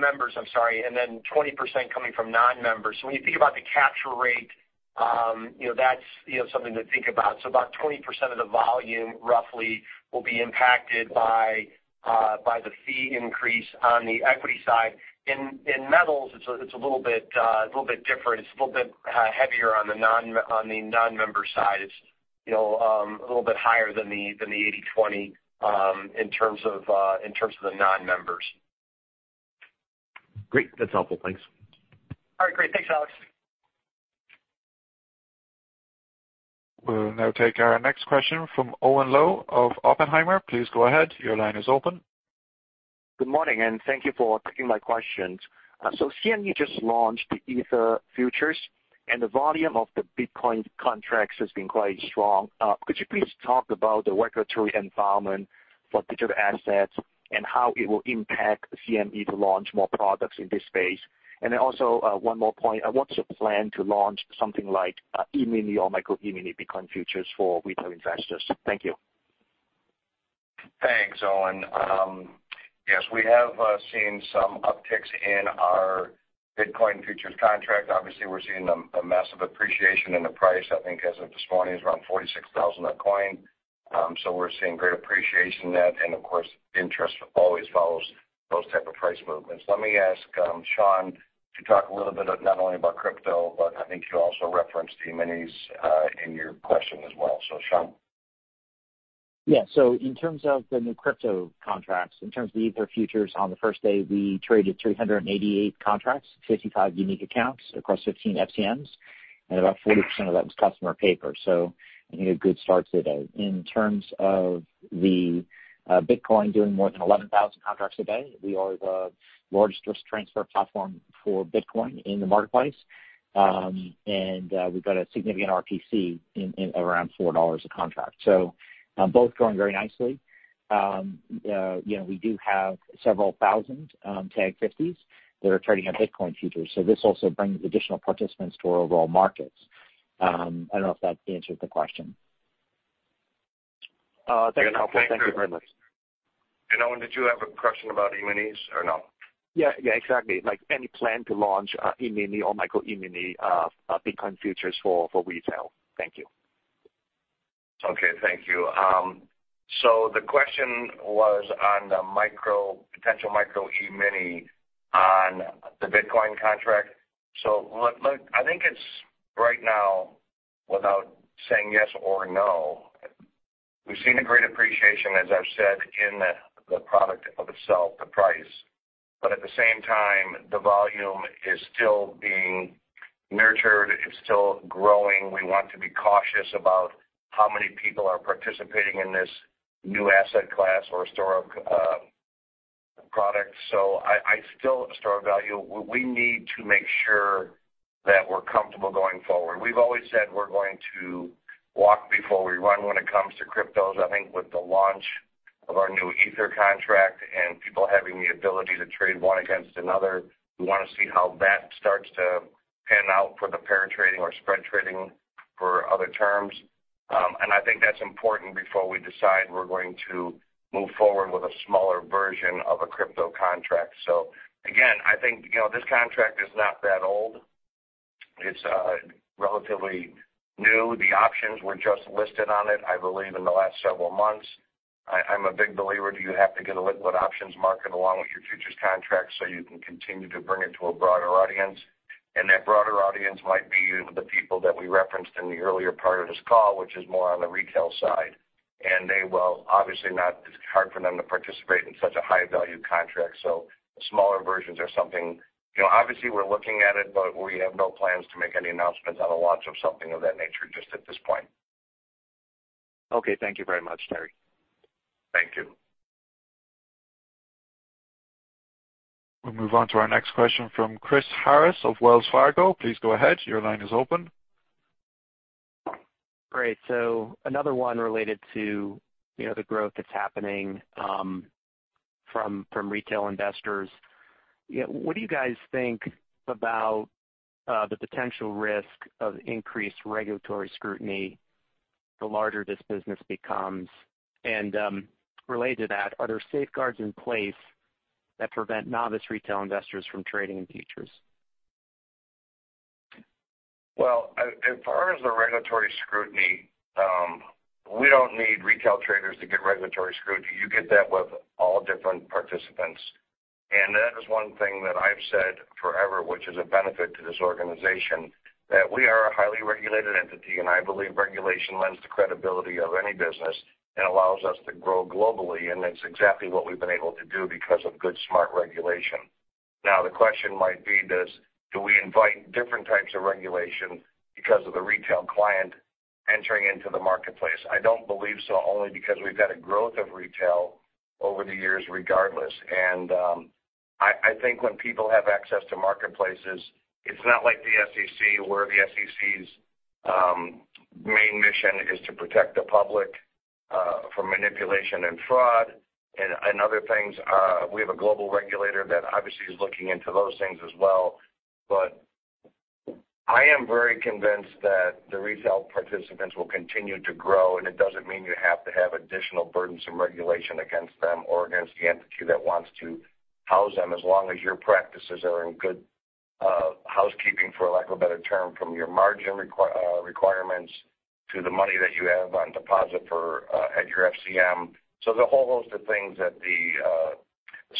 Speaker 2: members and then 20% coming from non-members. When you think about the capture rate that's something to think about. About 20% of the volume roughly will be impacted by the fee increase on the equity side. In metals, it's a little bit different. It's a little bit heavier on the non-member side. It's a little bit higher than the 80/20 in terms of the non-members.
Speaker 13: Great. That's helpful. Thanks.
Speaker 2: All right. Great. Thanks, Alex.
Speaker 1: We'll now take our next question from Owen Lau of Oppenheimer. Please go ahead. Your line is open.
Speaker 14: Good morning, and thank you for taking my questions. CME just launched the Ether futures, and the volume of the Bitcoin contracts has been quite strong. Could you please talk about the regulatory environment for digital assets and how it will impact CME to launch more products in this space? One more point, what's your plan to launch something like E-mini or Micro E-mini Bitcoin futures for retail investors? Thank you.
Speaker 3: Thanks, Owen. Yes, we have seen some upticks in our Bitcoin futures contract. Obviously, we're seeing a massive appreciation in the price. I think as of this morning, it's around $46,000 a coin. We're seeing great appreciation in that, and of course, interest always follows those type of price movements. Let me ask Sean to talk a little bit, not only about crypto, but I think you also referenced E-minis in your question as well. Sean?
Speaker 6: Yeah. In terms of the new crypto contracts, in terms of the Ether futures, on the first day, we traded 388 contracts, 55 unique accounts across 15 FCMs, and about 40% of that was customer paper. In terms of the Bitcoin doing more than 11,000 contracts a day, we are the largest risk transfer platform for Bitcoin in the marketplace. We've got a significant RPC in around $4 a contract. Both growing very nicely. We do have several thousand Tag 50s that are trading on Bitcoin futures, so this also brings additional participants to our overall markets. I don't know if that answered the question.
Speaker 14: That's helpful. Thank you very much.
Speaker 3: Owen, did you have a question about E-minis or no?
Speaker 14: Yeah, exactly. Like any plan to launch E-mini or Micro E-mini Bitcoin futures for retail? Thank you.
Speaker 3: Okay. Thank you. The question was on the potential Micro E-mini on the Bitcoin contract. Look, I think it's right now without saying yes or no. We've seen a great appreciation, as I've said, in the product of itself, the price, but at the same time, the volume is still being nurtured. It's still growing. We want to be cautious about how many people are participating in this new asset class or historic store of value. We need to make sure that we're comfortable going forward. We've always said we're going to walk before we run when it comes to cryptos. I think with the launch of our new Ether contract and people having the ability to trade one against another, we want to see how that starts to pan out for the pair trading or spread trading for other terms. I think that's important before we decide we're going to move forward with a smaller version of a crypto contract. Again, I think this contract is not that old. It's relatively new. The options were just listed on it, I believe, in the last several months. I'm a big believer you have to get a liquid options market along with your futures contract so you can continue to bring it to a broader audience. That broader audience might be the people that we referenced in the earlier part of this call, which is more on the retail side. They will obviously not, it's hard for them to participate in such a high-value contract, so smaller versions are something. Obviously, we're looking at it, but we have no plans to make any announcements on the launch of something of that nature just at this point.
Speaker 14: Okay, thank you very much, Terry.
Speaker 3: Thank you.
Speaker 1: We'll move on to our next question from Chris Harris of Wells Fargo. Please go ahead. Your line is open.
Speaker 15: Great. Another one related to the growth that's happening from retail investors. What do you guys think about the potential risk of increased regulatory scrutiny the larger this business becomes? Related to that, are there safeguards in place that prevent novice retail investors from trading in futures?
Speaker 3: Well, as far as the regulatory scrutiny, we don't need retail traders to get regulatory scrutiny. You get that with all different participants. That is one thing that I've said forever, which is a benefit to this organization, that we are a highly regulated entity, and I believe regulation lends to credibility of any business and allows us to grow globally. That's exactly what we've been able to do because of good, smart regulation. The question might be this: Do we invite different types of regulation because of the retail client entering into the marketplace? I don't believe so, only because we've had a growth of retail over the years regardless. I think when people have access to marketplaces, it's not like the SEC, where the SEC's main mission is to protect the public from manipulation and fraud and other things. We have a global regulator that obviously is looking into those things as well. I am very convinced that the retail participants will continue to grow, and it doesn't mean you have to have additional burdensome regulation against them or against the entity that wants to house them, as long as your practices are in good housekeeping, for lack of a better term, from your margin requirements to the money that you have on deposit at your FCM. There's a whole host of things that the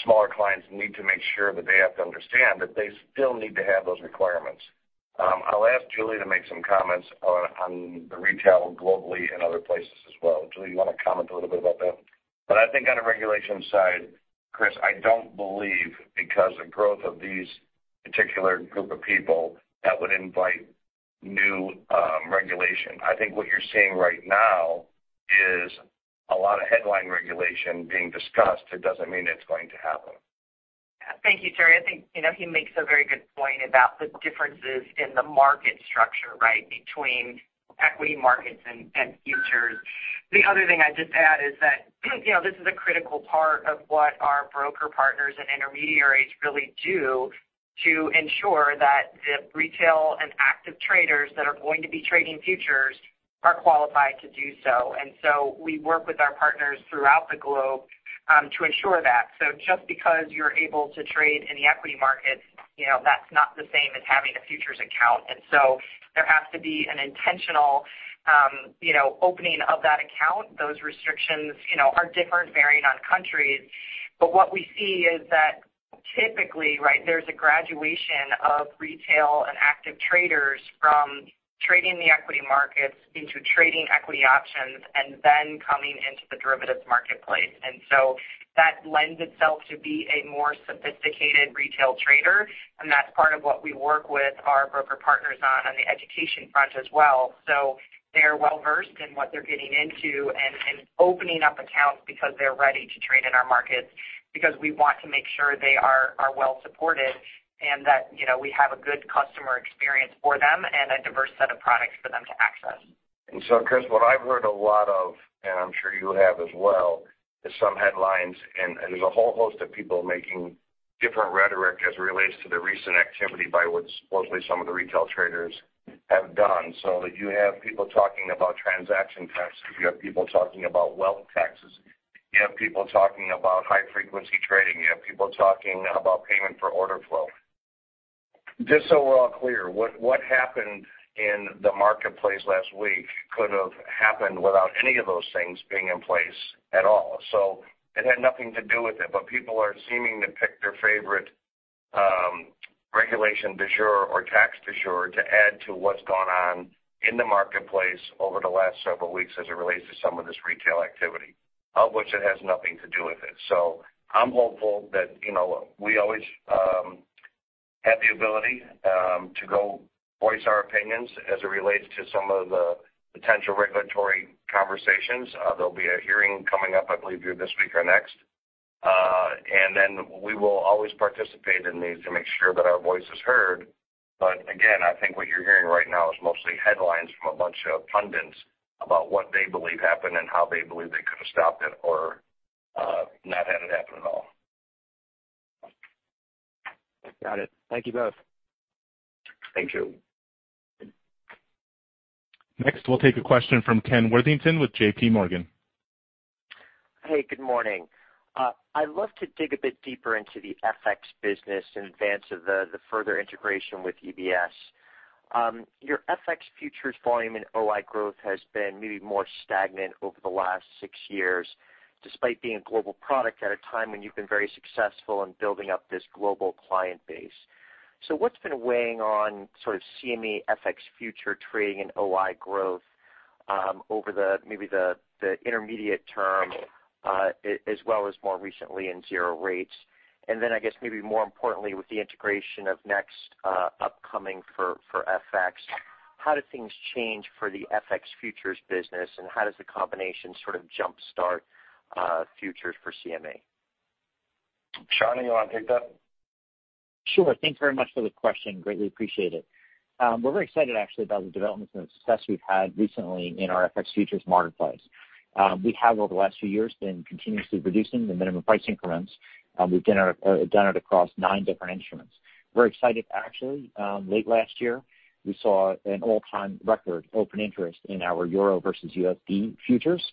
Speaker 3: smaller clients need to make sure that they have to understand, that they still need to have those requirements. I'll ask Julie to make some comments on the retail globally and other places as well. Julie, you want to comment a little bit about that? I think on the regulation side, Chris, I don't believe because of growth of these particular group of people, that would invite new regulation. I think what you're seeing right now is a lot of headline regulation being discussed. It doesn't mean it's going to happen.
Speaker 8: Thank you, Terry. I think he makes a very good point about the differences in the market structure, between equity markets and futures. The other thing I'd just add is that this is a critical part of what our broker partners and intermediaries really do to ensure that the retail and active traders that are going to be trading futures are qualified to do so. We work with our partners throughout the globe to ensure that. Just because you're able to trade in the equity markets, that's not the same as having a futures account. There has to be an intentional opening of that account. Those restrictions are different, varying on countries. What we see is that typically there's a graduation of retail and active traders from trading the equity markets into trading equity options and then coming into the derivatives marketplace. That lends itself to be a more sophisticated retail trader, and that's part of what we work with our broker partners on the education front as well. They are well-versed in what they're getting into and opening up accounts because they're ready to trade in our markets because we want to make sure they are well supported and that we have a good customer experience for them and a diverse set of products for them to access.
Speaker 3: Chris, what I've heard a lot of, and I'm sure you have as well, is some headlines, and there's a whole host of people making different rhetoric as it relates to the recent activity by what supposedly some of the retail traders have done. You have people talking about transaction taxes, you have people talking about wealth taxes, you have people talking about high-frequency trading, you have people talking about payment for order flow. Just so we're all clear, what happened in the marketplace last week could have happened without any of those things being in place at all. It had nothing to do with it. People are seeming to pick their favorite regulation du jour or tax du jour to add to what's gone on in the marketplace over the last several weeks as it relates to some of this retail activity, of which it has nothing to do with it. I'm hopeful that, we always have the ability to go voice our opinions as it relates to some of the potential regulatory conversations. There'll be a hearing coming up, I believe either this week or next, and then we will always participate in these to make sure that our voice is heard. Again, I think what you're hearing right now is mostly headlines from a bunch of pundits about what they believe happened and how they believe they could have stopped it or not had it happen at all.
Speaker 15: Got it. Thank you both.
Speaker 3: Thank you.
Speaker 1: Next, we'll take a question from Kenneth Worthington with J.P. Morgan.
Speaker 16: Hey, good morning. I'd love to dig a bit deeper into the FX business in advance of the further integration with EBS. Your FX futures volume and OI growth has been maybe more stagnant over the last six years, despite being a global product at a time when you've been very successful in building up this global client base. What's been weighing on CME FX future trading and OI growth over the intermediate term, as well as more recently in zero rates? I guess maybe more importantly, with the integration of NEX upcoming for FX, how do things change for the FX futures business, and how does the combination jumpstart futures for CME?
Speaker 3: Sean, do you want to take that?
Speaker 6: Sure. Thanks very much for the question. Greatly appreciate it. We're very excited actually about the developments and the success we've had recently in our FX futures marketplace. We have, over the last few years, been continuously reducing the minimum price increments. We've done it across nine different instruments. We're excited actually late last year, we saw an all-time record open interest in our Euro versus USD futures,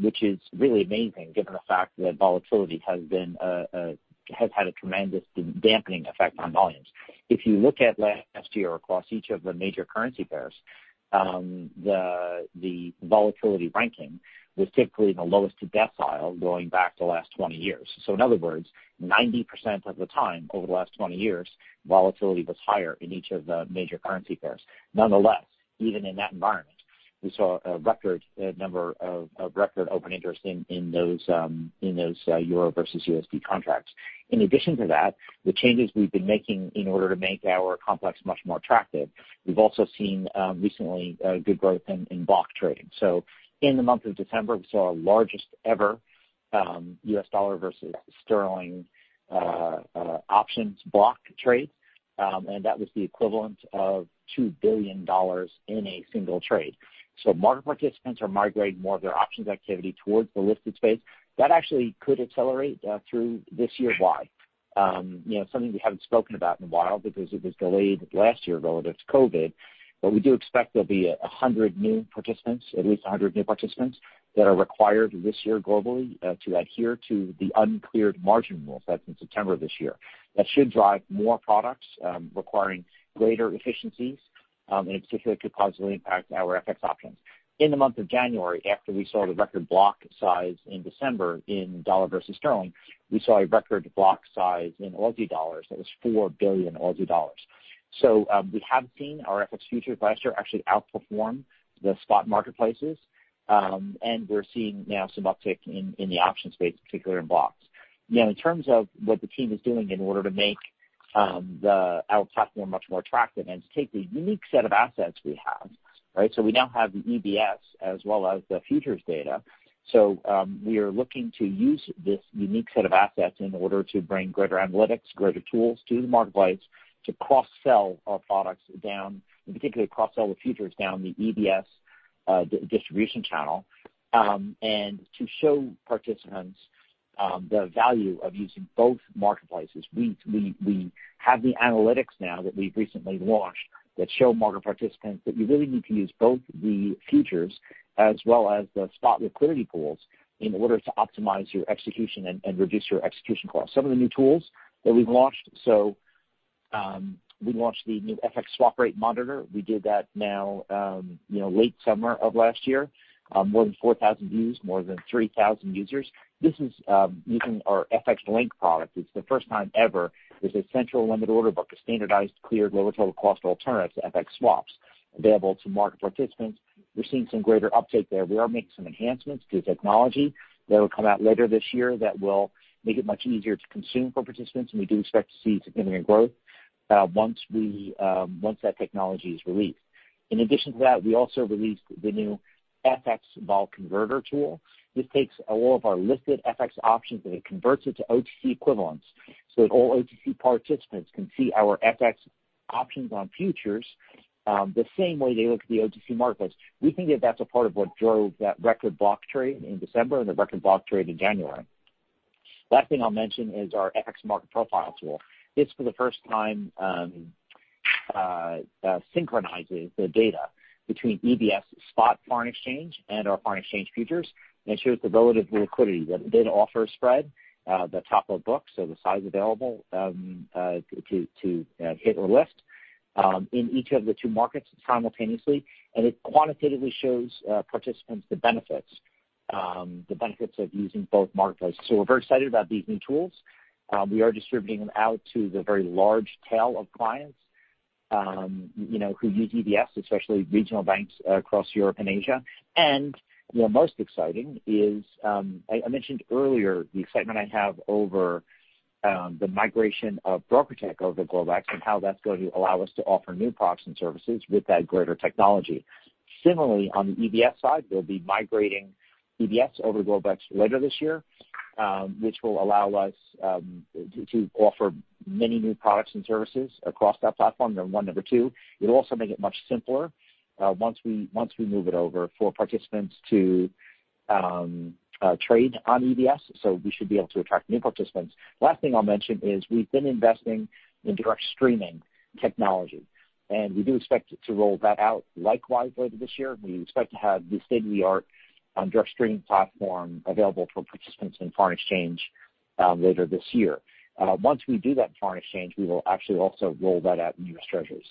Speaker 6: which is really amazing given the fact that volatility has had a tremendous dampening effect on volumes. If you look at last year across each of the major currency pairs, the volatility ranking was typically the lowest decile going back to the last 20 years. In other words, 90% of the time over the last 20 years, volatility was higher in each of the major currency pairs. Even in that environment, we saw a record number of open interest in those Euro versus USD contracts. The changes we've been making in order to make our complex much more attractive, we've also seen recently a good growth in block trading. In the month of December, we saw our largest ever U.S. dollar versus Sterling options block trade, and that was the equivalent of $2 billion in a single trade. Market participants are migrating more of their options activity towards the listed space. That actually could accelerate through this year. Something we haven't spoken about in a while because it was delayed last year relative to COVID, we do expect there'll be 100 new participants, at least 100 new participants, that are required this year globally to adhere to the Uncleared Margin Rules. That's in September of this year. That should drive more products requiring greater efficiencies, and in particular, could positively impact our FX options. In the month of January, after we saw the record block size in December in USD versus GBP, we saw a record block size in AUD that was 4 billion Aussie dollars. We have seen our FX futures last year actually outperform the spot marketplaces, and we're seeing now some uptick in the option space, particularly in blocks. In terms of what the team is doing in order to make our platform much more attractive and to take the unique set of assets we have, we now have the EBS as well as the futures data. We are looking to use this unique set of assets in order to bring greater analytics, greater tools to the marketplace to cross-sell our products down, in particular, cross-sell the futures down the EBS distribution channel, and to show participants the value of using both marketplaces. We have the analytics now that we've recently launched that show market participants that you really need to use both the futures as well as the spot liquidity pools in order to optimize your execution and reduce your execution costs. Some of the new tools that we've launched, we launched the new FX Swap Rate Monitor. We did that now late summer of last year. More than 4,000 views, more than 3,000 users. This is using our FX Link product. It's the first time ever there's a central limit order book, a standardized, cleared, lower total cost alternative to FX swaps available to market participants. We're seeing some greater uptake there. We are making some enhancements to the technology that will come out later this year that will make it much easier to consume for participants, and we do expect to see significant growth once that technology is released. In addition to that, we also released the new FX Options Vol Converter tool. This takes all of our listed FX options and it converts it to OTC equivalents so that all OTC participants can see our FX options on futures the same way they look at the OTC marketplace. We think that's a part of what drove that record block trade in December and the record block trade in January. Last thing I'll mention is our FX Market Profile tool. This for the first time synchronizes the data between EBS spot foreign exchange and our foreign exchange futures and shows the relative liquidity, the bid-offer spread, the top of book, so the size available to hit or list in each of the two markets simultaneously. It quantitatively shows participants the benefits of using both marketplaces. We're very excited about these new tools. We are distributing them out to the very large tail of clients who use EBS, especially regional banks across Europe and Asia. Most exciting is, I mentioned earlier the excitement I have over the migration of BrokerTec over Globex and how that's going to allow us to offer new products and services with that greater technology. Similarly, on the EBS side, they'll be migrating EBS over to Globex later this year, which will allow us to offer many new products and services across that platform. Number one. Number two, it'll also make it much simpler once we move it over for participants to trade on EBS, so we should be able to attract new participants. Last thing I'll mention is we've been investing in direct streaming technology. We do expect to roll that out likewise later this year. We expect to have the state-of-the-art direct streaming platform available for participants in foreign exchange later this year. Once we do that in foreign exchange, we will actually also roll that out in U.S. Treasuries.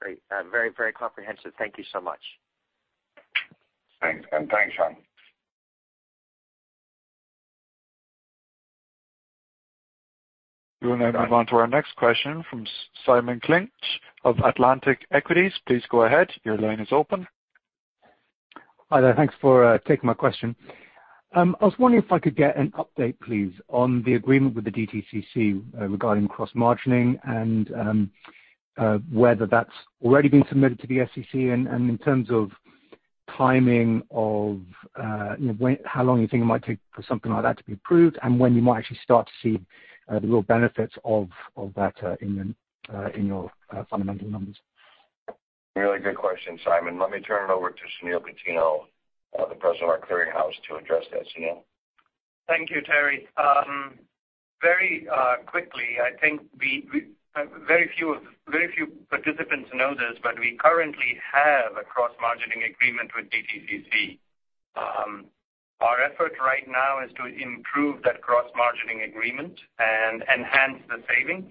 Speaker 16: Great. Very, very comprehensive. Thank you so much.
Speaker 3: Thanks. Thanks, Sean.
Speaker 1: We will now move on to our next question from Simon Clinch of Atlantic Equities. Please go ahead. Your line is open.
Speaker 17: Hi there. Thanks for taking my question. I was wondering if I could get an update, please, on the agreement with the DTCC regarding cross margining and whether that's already been submitted to the SEC and in terms of timing of how long you think it might take for something like that to be approved and when you might actually start to see the real benefits of that in your fundamental numbers?
Speaker 3: Really good question, Simon. Let me turn it over to Sunil Cutinho, the President of our clearinghouse, to address that. Sunil.
Speaker 18: Thank you, Terry. Very quickly, I think very few participants know this, but we currently have a cross margining agreement with DTCC. Our effort right now is to improve that cross margining agreement and enhance the savings.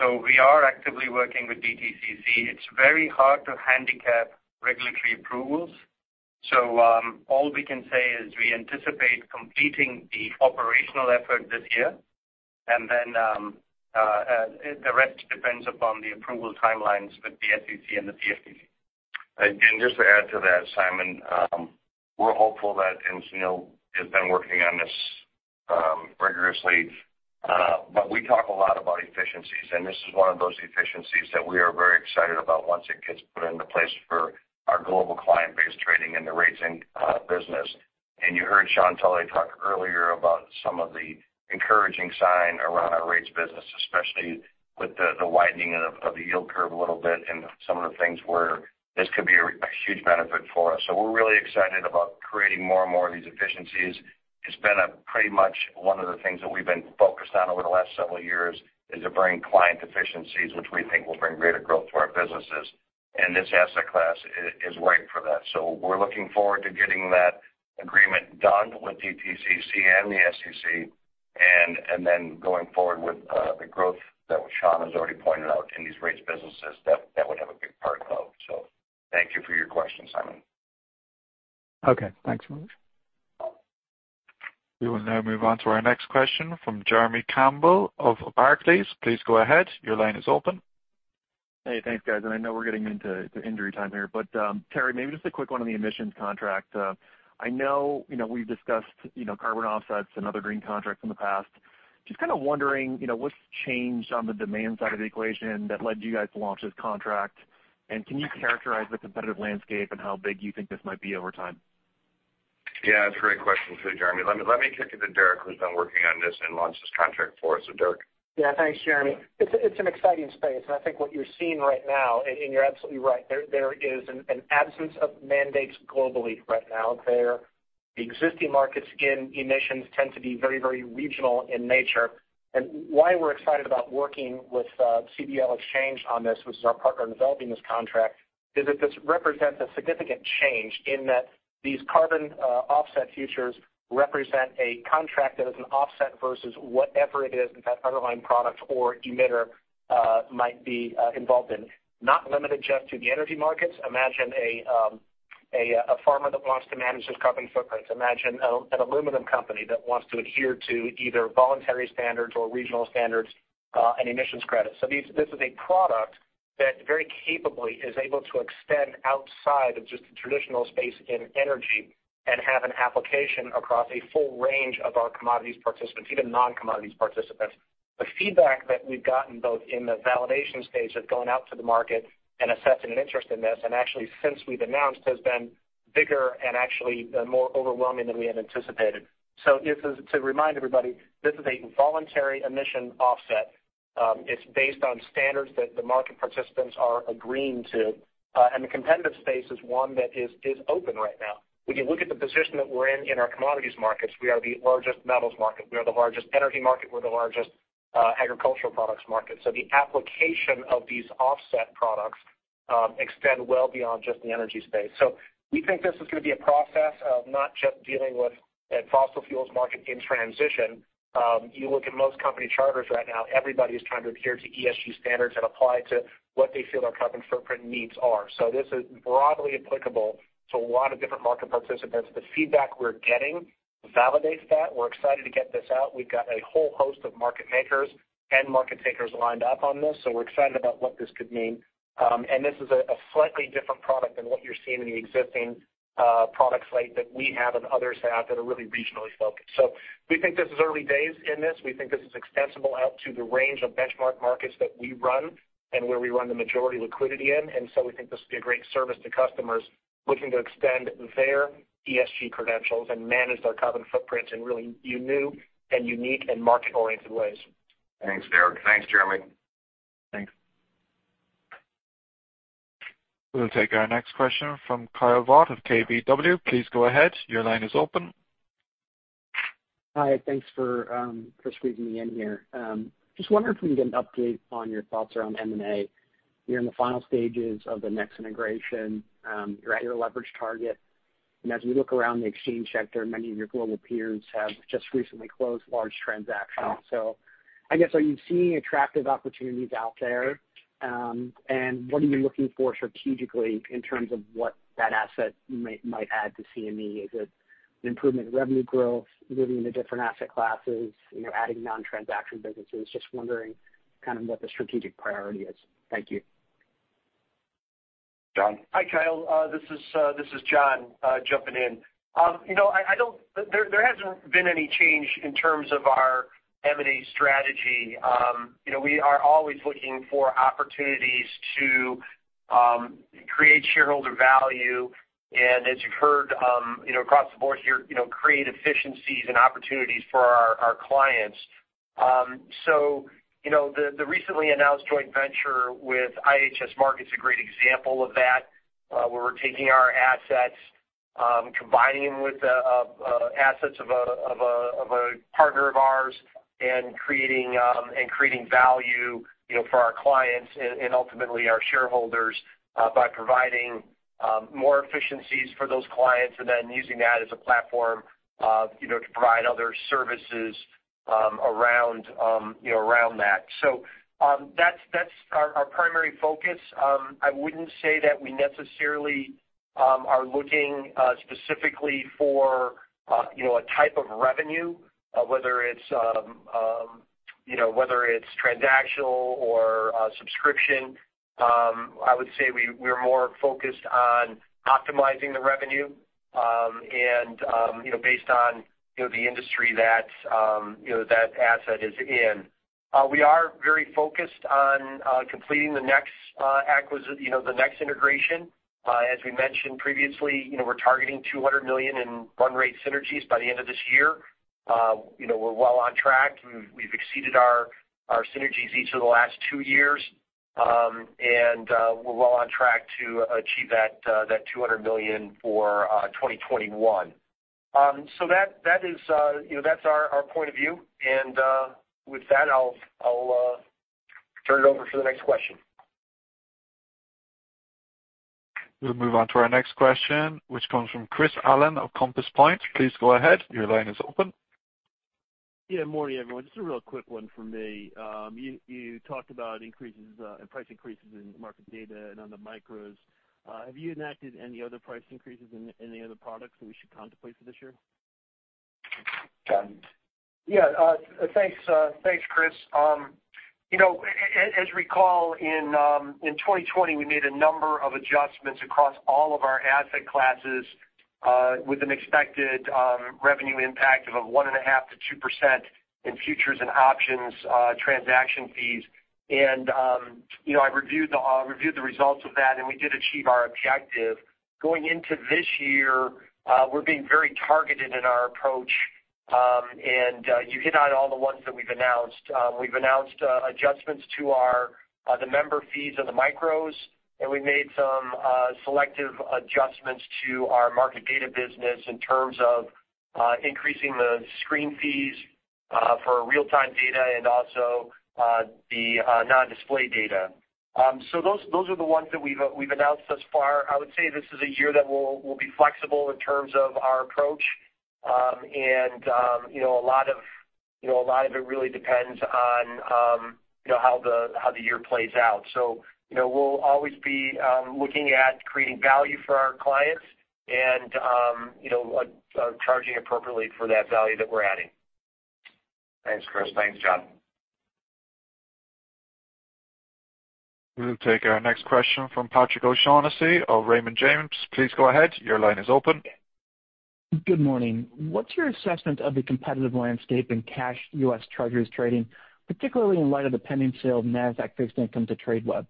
Speaker 18: We are actively working with DTCC. It's very hard to handicap regulatory approvals. All we can say is we anticipate completing the operational effort this year, and then the rest depends upon the approval timelines with the SEC and the CFTC.
Speaker 3: Just to add to that, Simon, we're hopeful that, Sunil has been working on this rigorously, We talk a lot about efficiencies, This is one of those efficiencies that we are very excited about once it gets put into place for our global client base trading in the rates business. You heard Sean Tully talk earlier about some of the encouraging sign around our rates business, especially with the widening of the yield curve a little bit and some of the things where this could be a huge benefit for us. We're really excited about creating more and more of these efficiencies. It's been pretty much one of the things that we've been focused on over the last several years is to bring client efficiencies, which we think will bring greater growth to our businesses. This asset class is right for that. We're looking forward to getting that agreement done with DTCC and the SEC and then going forward with the growth that Sean has already pointed out in these rates businesses that would have a big part of. Thank you for your question, Simon.
Speaker 17: Okay. Thanks very much.
Speaker 1: We will now move on to our next question from Jeremy Campbell of Barclays. Please go ahead. Your line is open.
Speaker 19: Hey, thanks, guys. I know we're getting into injury time here, but, Terry, maybe just a quick one on the emissions contract. I know we've discussed carbon offsets and other green contracts in the past. Just kind of wondering what's changed on the demand side of the equation that led you guys to launch this contract, and can you characterize the competitive landscape and how big you think this might be over time?
Speaker 3: Yeah, that's a great question too, Jeremy. Let me kick it to Derek, who's been working on this and launched this contract for us. So Derek.
Speaker 12: Yeah. Thanks, Jeremy. It's an exciting space, and I think what you're seeing right now, and you're absolutely right, there is an absence of mandates globally right now. The existing markets in emissions tend to be very, very regional in nature. Why we're excited about working with CBL Exchange on this, which is our partner in developing this contract, is that this represents a significant change in that these carbon offset futures represent a contract that is an offset versus whatever it is that that underlying product or emitter might be involved in. Not limited just to the energy markets. Imagine a farmer that wants to manage his carbon footprint. Imagine an aluminum company that wants to adhere to either voluntary standards or regional standards and emissions credits. This is a product that very capably is able to extend outside of just the traditional space in energy and have an application across a full range of our commodities participants, even non-commodities participants. The feedback that we've gotten both in the validation stage of going out to the market and assessing an interest in this and actually since we've announced, has been bigger and actually more overwhelming than we had anticipated. Just to remind everybody, this is a voluntary emission offset. It's based on standards that the market participants are agreeing to, and the competitive space is one that is open right now. When you look at the position that we're in in our commodities markets, we are the largest metals market, we are the largest energy market, we're the largest agricultural products market. The application of these offset products extend well beyond just the energy space. We think this is going to be a process of not just dealing with a fossil fuels market in transition. You look at most company charters right now, everybody is trying to adhere to ESG standards and apply to what they feel their carbon footprint needs are. This is broadly applicable to a lot of different market participants. The feedback we're getting validates that. We're excited to get this out. We've got a whole host of market makers and market takers lined up on this, we're excited about what this could mean. This is a slightly different product than what you're seeing in the existing product slate that we have and others have that are really regionally focused. We think this is early days in this. We think this is extensible out to the range of benchmark markets that we run and where we run the majority liquidity in. We think this will be a great service to customers looking to extend their ESG credentials and manage their carbon footprints in really new and unique and market-oriented ways.
Speaker 3: Thanks, Derek. Thanks, Jeremy.
Speaker 19: Thanks.
Speaker 1: We'll take our next question from Kyle Voigt of KBW. Please go ahead. Your line is open.
Speaker 20: Hi. Thanks for squeezing me in here. Wondering if we can get an update on your thoughts around M&A. You're in the final stages of the NEX integration, you're at your leverage target, as we look around the exchange sector, many of your global peers have just recently closed large transactions. I guess, are you seeing attractive opportunities out there? What are you looking for strategically in terms of what that asset might add to CME? Is it an improvement in revenue growth, moving into different asset classes, adding non-transaction businesses? Wondering what the strategic priority is. Thank you.
Speaker 3: John?
Speaker 2: Hi, Kyle. This is John jumping in. There hasn't been any change in terms of our M&A strategy. We are always looking for opportunities to create shareholder value and as you've heard across the board here, create efficiencies and opportunities for our clients. The recently announced joint venture with IHS Markit is a great example of that, where we're taking our assets, combining with assets of a partner of ours and creating value for our clients and ultimately our shareholders by providing more efficiencies for those clients and then using that as a platform to provide other services around that. That's our primary focus. I wouldn't say that we necessarily are looking specifically for a type of revenue, whether it's transactional or subscription. I would say we are more focused on optimizing the revenue and based on the industry that asset is in. We are very focused on completing the next integration. As we mentioned previously, we're targeting $200 million in run rate synergies by the end of this year. We're well on track. We've exceeded our synergies each of the last two years, and we're well on track to achieve that $200 million for 2021. That's our point of view, and with that, I'll turn it over for the next question.
Speaker 1: We'll move on to our next question, which comes from Chris Allen of Compass Point. Please go ahead. Your line is open.
Speaker 21: Yeah, morning, everyone. Just a real quick one from me. You talked about price increases in market data and on the micros. Have you enacted any other price increases in any other products that we should contemplate for this year?
Speaker 3: John?
Speaker 2: Yeah. Thanks, Chris. As you recall, in 2020, we made a number of adjustments across all of our asset classes with an expected revenue impact of 1.5% to 2% in futures and options transaction fees. I've reviewed the results of that, and we did achieve our objective. Going into this year, we're being very targeted in our approach, and you hit on all the ones that we've announced. We've announced adjustments to the member fees of the micros, and we made some selective adjustments to our market data business in terms of increasing the screen fees for real-time data and also the non-display data. Those are the ones that we've announced thus far. I would say this is a year that we'll be flexible in terms of our approach, and a lot of it really depends on how the year plays out. We'll always be looking at creating value for our clients and charging appropriately for that value that we're adding.
Speaker 3: Thanks, Chris. Thanks, John.
Speaker 1: We'll take our next question from Patrick O'Shaughnessy of Raymond James. Please go ahead. Your line is open.
Speaker 22: Good morning. What's your assessment of the competitive landscape in cash U.S. Treasuries trading, particularly in light of the pending sale of Nasdaq Fixed Income to Tradeweb?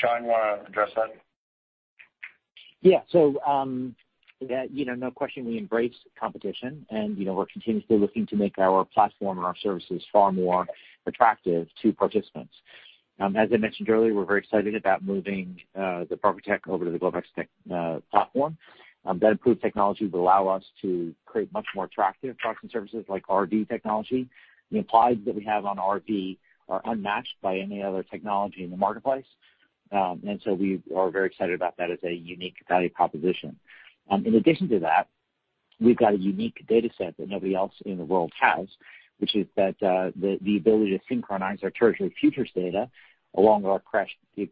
Speaker 3: Sean, you want to address that?
Speaker 6: Yeah. No question we embrace competition and we're continuously looking to make our platform and our services far more attractive to participants. As I mentioned earlier, we're very excited about moving the BrokerTec over to the Globex platform. That improved technology would allow us to create much more attractive products and services like RV technology. The implications that we have on RV are unmatched by any other technology in the marketplace. We are very excited about that as a unique value proposition. In addition to that, we've got a unique data set that nobody else in the world has, which is the ability to synchronize our treasury futures data along with our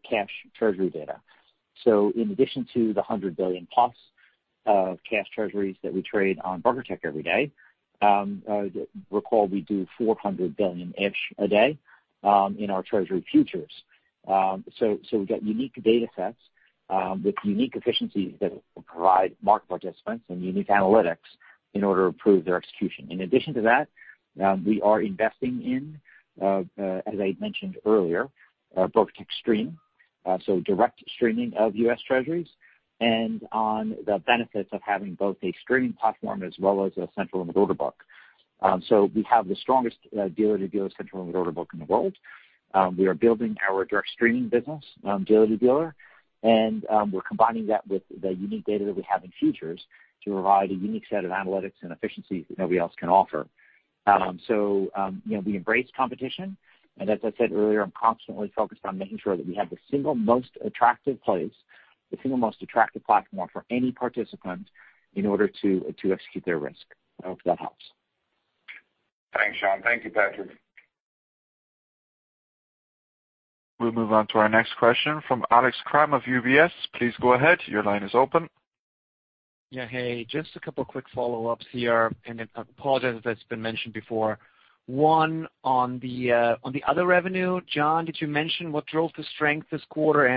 Speaker 6: cash treasury data. In addition to the $100 billion-plus of cash treasuries that we trade on BrokerTec every day, recall we do $400 billion-ish a day in our treasury futures. We've got unique data sets with unique efficiencies that will provide market participants and unique analytics in order to improve their execution. In addition to that, we are investing in, as I mentioned earlier, BrokerTec Stream, so direct streaming of U.S. Treasuries, and on the benefits of having both a streaming platform as well as a central order book. We have the strongest dealer-to-dealer central order book in the world. We are building our direct streaming business, dealer-to-dealer. We're combining that with the unique data that we have in futures to provide a unique set of analytics and efficiencies that nobody else can offer. We embrace competition, and as I said earlier, I'm constantly focused on making sure that we have the single most attractive place, the single most attractive platform for any participant in order to execute their risk. I hope that helps.
Speaker 3: Thanks, Sean. Thank you, Patrick.
Speaker 1: We'll move on to our next question from Alex Kramm of UBS. Please go ahead. Your line is open.
Speaker 5: Yeah. Hey, just a couple of quick follow-ups here, apologies if that's been mentioned before. One, on the other revenue, John, did you mention what drove the strength this quarter,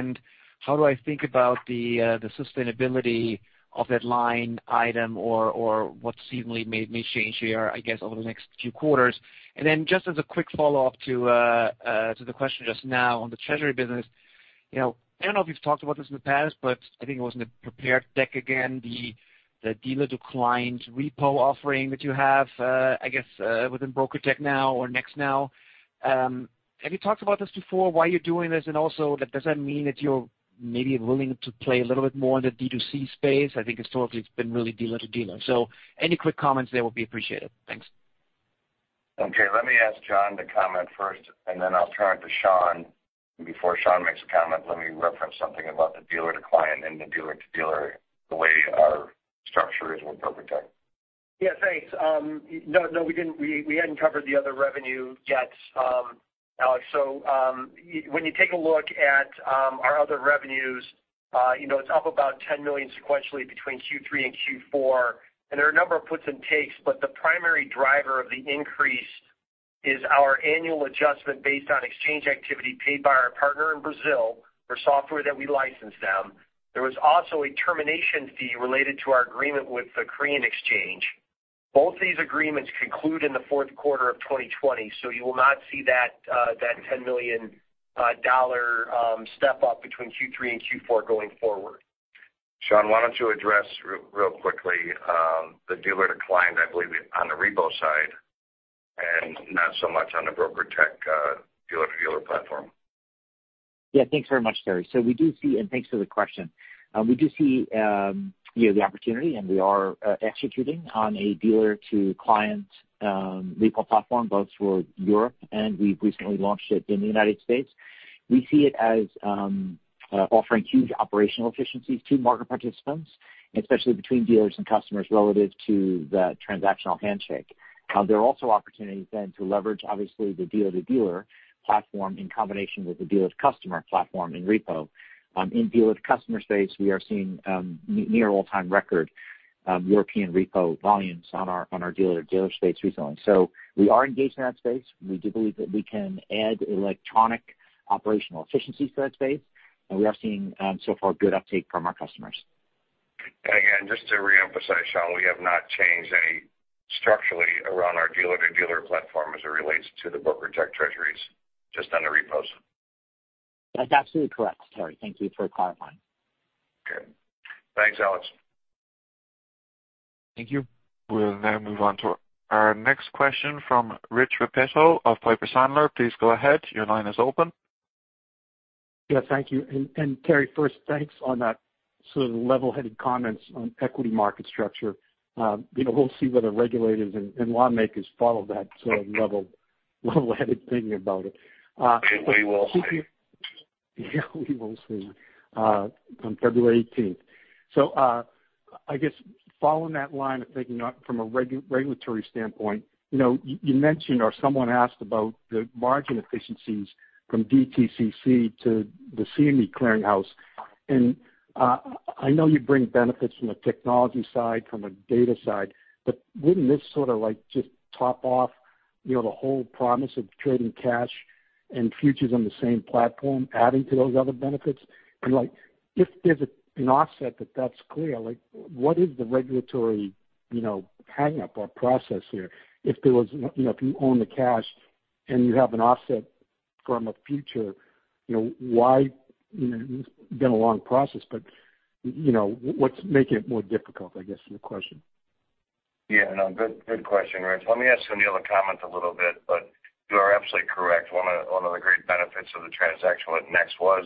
Speaker 5: how do I think about the sustainability of that line item or what seemingly may change here, I guess, over the next few quarters? Just as a quick follow-up to the question just now on the treasury business, I don't know if you've talked about this in the past, but I think it was in the prepared deck again, the dealer-to-client repo offering that you have, I guess, within BrokerTec now or NEX now. Have you talked about this before, why you're doing this, does that mean that you're maybe willing to play a little bit more in the D2C space? I think historically it's been really dealer-to-dealer. Any quick comments there will be appreciated. Thanks.
Speaker 3: Okay, let me ask John to comment first, and then I'll turn it to Sean. Before Sean makes a comment, let me reference something about the dealer-to-client and the dealer-to-dealer, the way our structure is with BrokerTec.
Speaker 2: Thanks. No, we hadn't covered the other revenue yet, Alex. When you take a look at our other revenues, it's up about $10 million sequentially between Q3 and Q4. There are a number of puts and takes, but the primary driver of the increase is our annual adjustment based on exchange activity paid by our partner in Brazil for software that we licensed them. There was also a termination fee related to our agreement with the Korea Exchange. Both these agreements conclude in the fourth quarter of 2020, so you will not see that $10 million step-up between Q3 and Q4 going forward.
Speaker 3: Sean, why don't you address real quickly, the dealer-to-client, I believe, on the repo side, and not so much on the BrokerTec dealer-to-dealer platform.
Speaker 6: Yeah. Thanks very much, Terry. Thanks for the question. We do see the opportunity, and we are executing on a dealer-to-client repo platform, both for Europe, and we've recently launched it in the United States. We see it as offering huge operational efficiencies to market participants, especially between dealers and customers relative to the transactional handshake. There are also opportunities then to leverage, obviously, the dealer-to-dealer platform in combination with the dealer-to-customer platform in repo. In dealer-to-customer space, we are seeing near all-time record European repo volumes on our dealer-to-dealer space recently. We are engaged in that space. We do believe that we can add electronic operational efficiencies to that space, and we are seeing, so far, good uptake from our customers.
Speaker 3: Again, just to reemphasize, Sean, we have not changed any structurally around our dealer-to-dealer platform as it relates to the BrokerTec Treasuries, just on the repos.
Speaker 6: That's absolutely correct, Terry. Thank you for clarifying.
Speaker 3: Okay. Thanks, Alex.
Speaker 5: Thank you.
Speaker 1: We'll now move on to our next question from Rich Repetto of Piper Sandler. Please go ahead, your line is open.
Speaker 4: Yeah, thank you. Terry, first, thanks on that sort of level-headed comments on equity market structure. We'll see whether regulators and lawmakers follow that sort of level-headed thing about it.
Speaker 3: We will see.
Speaker 4: Yeah, we will see on February 18th. I guess following that line of thinking from a regulatory standpoint, you mentioned or someone asked about the margin efficiencies from DTCC to the CME clearing house. I know you bring benefits from a technology side, from a data side, but wouldn't this sort of like just top off the whole promise of trading cash and futures on the same platform, adding to those other benefits? If there's an offset that's clear, what is the regulatory hang-up or process here? If you own the cash and you have an offset from a future, been a long process, but what's making it more difficult, I guess, is the question.
Speaker 3: Yeah, no, good question, Rich. Let me ask Sunil to comment a little bit, but you are absolutely correct. One of the great benefits of the transaction with NEX was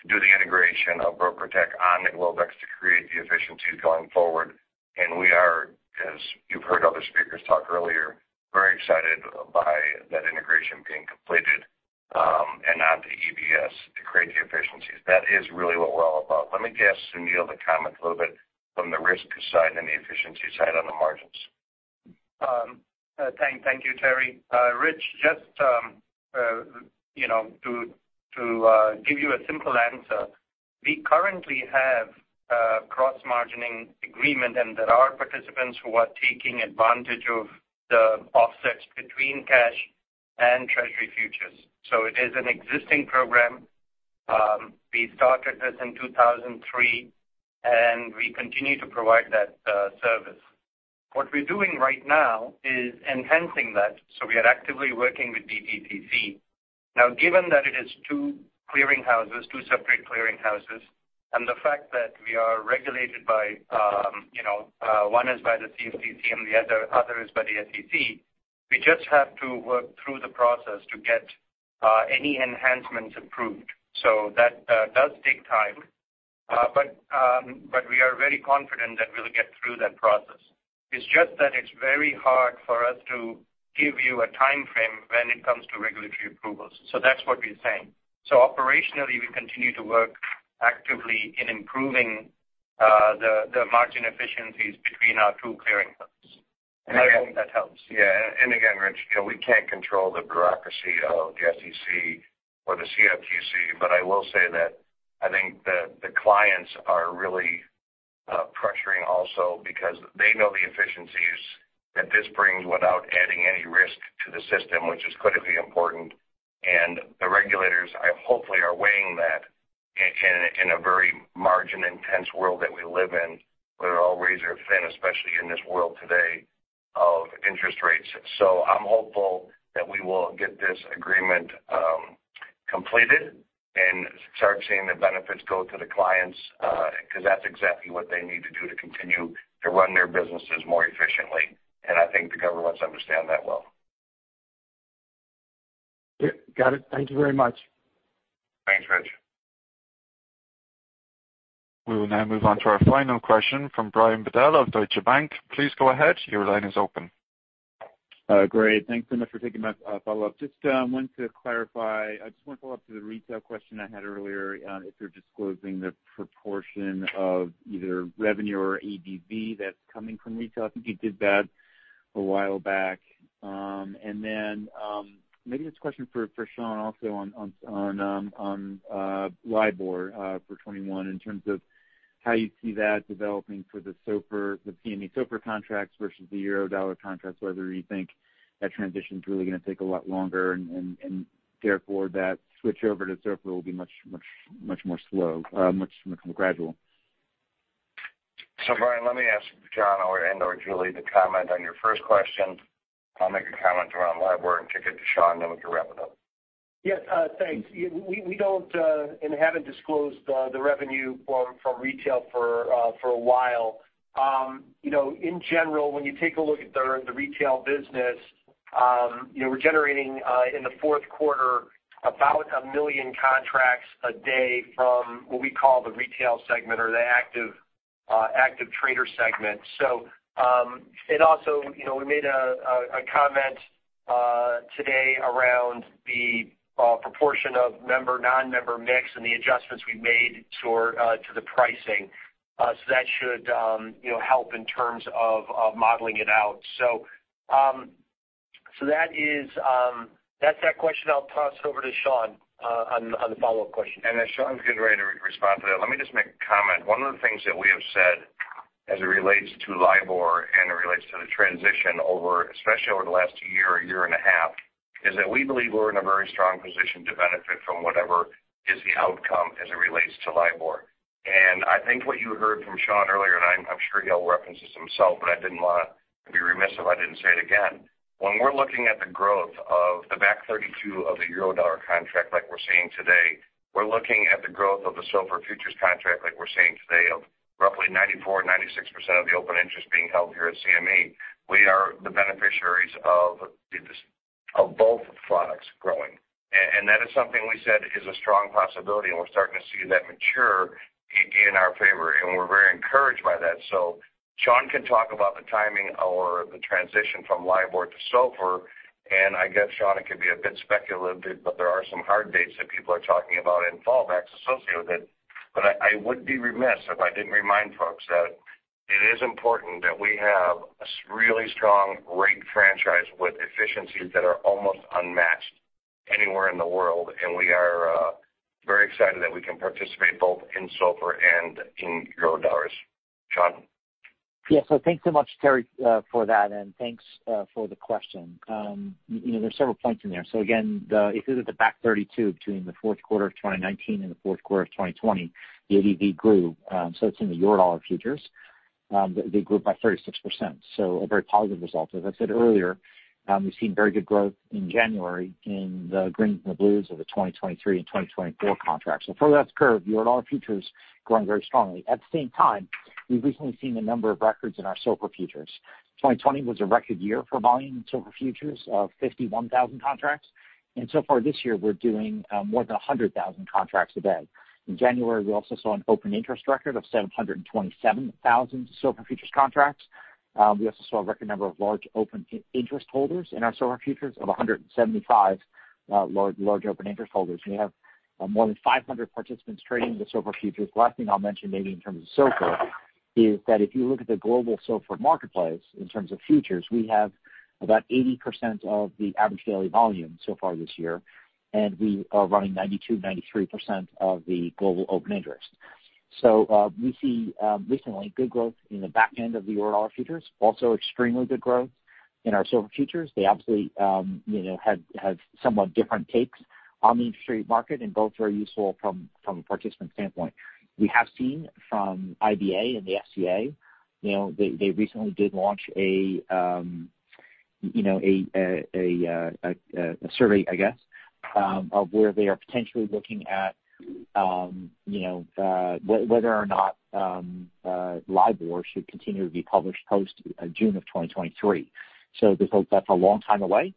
Speaker 3: to do the integration of BrokerTec on Globex to create the efficiencies going forward. We are, as you've heard other speakers talk earlier, very excited by that integration being completed, and onto EBS to create the efficiencies. That is really what we're all about. Let me ask Sunil to comment a little bit from the risk side and the efficiency side on the margins.
Speaker 18: Thank you, Terry. Rich, just to give you a simple answer, we currently have a cross-margining agreement. There are participants who are taking advantage of the offsets between cash and Treasury futures. It is an existing program. We started this in 2003. We continue to provide that service. What we're doing right now is enhancing that. We are actively working with DTCC. Now, given that it is two separate clearing houses, and the fact that we are regulated by, one is by the CFTC and the other is by the SEC, we just have to work through the process to get any enhancements approved. That does take time. We are very confident that we'll get through that process. It's just that it's very hard for us to give you a time-frame when it comes to regulatory approvals. That's what we're saying. Operationally, we continue to work actively in improving the margin efficiencies between our two clearing firms. I think that helps.
Speaker 3: Yeah. Again, Rich, we can't control the bureaucracy of the SEC or the CFTC, but I will say that I think that the clients are really pressuring also because they know the efficiencies that this brings without adding any risk to the system, which is critically important. The regulators, hopefully, are weighing that in a very margin-intense world that we live in. We're all razor-thin, especially in this world today of interest rates. I'm hopeful that we will get this agreement completed and start seeing the benefits go to the clients, because that's exactly what they need to do to continue to run their businesses more efficiently. I think the governments understand that well.
Speaker 4: Got it. Thank you very much.
Speaker 3: Thanks, Rich.
Speaker 1: We will now move on to our final question from Brian Bedell of Deutsche Bank. Please go ahead. Your line is open.
Speaker 9: Great. Thanks so much for taking my follow-up. Just wanted to clarify, I just want to follow up to the retail question I had earlier, if you're disclosing the proportion of either revenue or ADV that's coming from retail. I think you did that a while back. Maybe this question for Sean also on LIBOR for 2021 in terms of how you see that developing for the CME SOFR contracts versus the Eurodollar contracts, whether you think that transition's really going to take a lot longer and therefore that switch over to SOFR will be much more gradual.
Speaker 3: Brian, let me ask John and/or Julie to comment on your first question. I'll make a comment around LIBOR and kick it to Sean, then we can wrap it up.
Speaker 2: Yes, thanks. We don't and haven't disclosed the revenue from retail for a while. In general, when you take a look at the retail business, we're generating in the fourth quarter about 1 million contracts a day from what we call the retail segment or the active trader segment. And also, we made a comment today around the proportion of member/non-member mix and the adjustments we made to the pricing. That should help in terms of modeling it out. That question I'll toss over to Sean on the follow-up question.
Speaker 3: As Sean's getting ready to respond to that, let me just make a comment. One of the things that we have said as it relates to LIBOR and it relates to the transition over, especially over the last year and a half, is that we believe we're in a very strong position to benefit from whatever is the outcome as it relates to LIBOR. I think what you heard from Sean earlier, and I'm sure he'll reference this himself, but I didn't want to be remiss if I didn't say it again. When we're looking at the growth of the back 32 of the Eurodollar contract like we're seeing today, we're looking at the growth of the SOFR futures contract like we're seeing today of roughly 94%, 96% of the open interest being held here at CME. We are the beneficiaries of both products growing. That is something we said is a strong possibility, and we're starting to see that mature in our favor, and we're very encouraged by that. Sean can talk about the timing or the transition from LIBOR to SOFR, and I guess, Sean, it could be a bit speculative, but there are some hard dates that people are talking about and fallbacks associated with it. I would be remiss if I didn't remind folks that it is important that we have a really strong rate franchise with efficiencies that are almost unmatched anywhere in the world, and we are very excited that we can participate both in SOFR and in Eurodollars. Sean?
Speaker 6: Yeah. Thanks so much, Terry, for that, and thanks for the question. There's several points in there. Again, if you look at the back 32 between the fourth quarter of 2019 and the fourth quarter of 2020, the ADV grew. It's in the Eurodollar futures. They grew up by 36%. A very positive result. As I said earlier, we've seen very good growth in January in the greens and the blues of the 2023 and 2024 contracts. Further out the curve, Eurodollar futures growing very strongly. At the same time, we've recently seen a number of records in our SOFR futures. 2020 was a record year for volume in SOFR futures of 51,000 contracts, and so far this year, we're doing more than 100,000 contracts a day. In January, we also saw an open interest record of 727,000 SOFR futures contracts. We also saw a record number of large open interest holders in our SOFR futures of 175 large open interest holders. We have more than 500 participants trading the SOFR futures. Last thing I'll mention maybe in terms of SOFR is that if you look at the global SOFR marketplace in terms of futures, we have about 80% of the average daily volume so far this year, and we are running 92% to 93% of the global open interest. We see recently good growth in the back end of the Eurodollar futures, also extremely good growth in our SOFR futures. They absolutely have somewhat different takes on the industry market and both are useful from a participant standpoint. We have seen from IBA and the FCA, they recently did launch a survey, I guess, of where they are potentially looking at whether or not LIBOR should continue to be published post June of 2023. That's a long time away.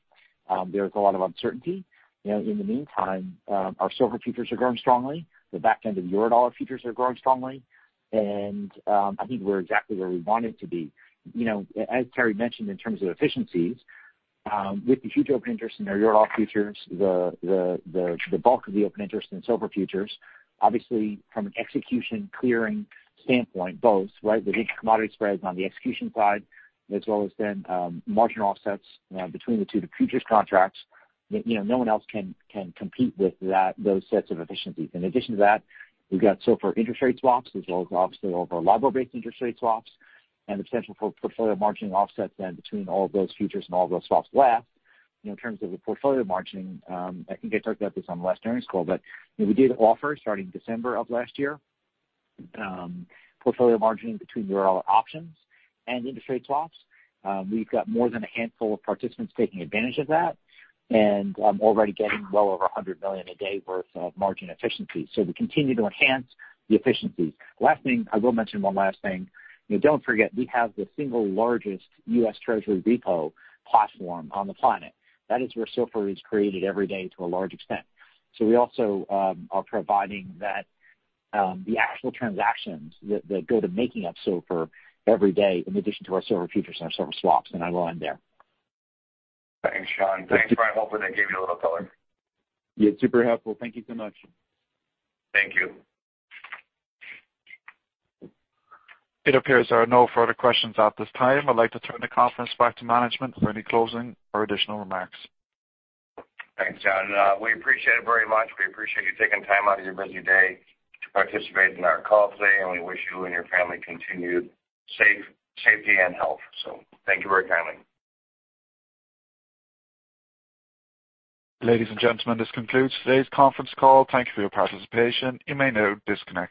Speaker 6: There's a lot of uncertainty. In the meantime, our SOFR futures are growing strongly. The back end of Eurodollar futures are growing strongly. I think we're exactly where we wanted to be. As Terry mentioned in terms of efficiencies, with the future open interest in our Eurodollar futures, the bulk of the open interest in SOFR futures, obviously from an execution clearing standpoint, both, right? The intercommodity spreads on the execution side as well as then marginal offsets between the two futures contracts. No one else can compete with those sets of efficiencies. In addition to that, we've got SOFR interest rate swaps as well as obviously our LIBOR-based interest rate swaps and the potential for portfolio margining offset then between all of those futures and all of those swaps. In terms of the portfolio margining, I think I talked about this on the last earnings call, we did offer, starting December of last year, portfolio margining between Eurodollar options and interest rate swaps. We've got more than a handful of participants taking advantage of that and already getting well over $100 million a day worth of margin efficiency. We continue to enhance the efficiencies. I will mention one last thing. Don't forget, we have the single largest U.S. Treasury repo platform on the planet. That is where SOFR is created every day to a large extent. We also are providing that the actual transactions that go to making up SOFR every day in addition to our SOFR futures and our SOFR swaps, and I will end there.
Speaker 3: Thanks, Sean. Thanks, Brian. Hopefully, that gave you a little color.
Speaker 9: Yeah, super helpful. Thank you so much.
Speaker 3: Thank you.
Speaker 1: It appears there are no further questions at this time. I'd like to turn the conference back to management for any closing or additional remarks.
Speaker 3: Thanks, John. We appreciate it very much. We appreciate you taking time out of your busy day to participate in our call today, and we wish you and your family continued safety and health. Thank you very kindly.
Speaker 1: Ladies and gentlemen, this concludes today's conference call. Thank you for your participation. You may now disconnect.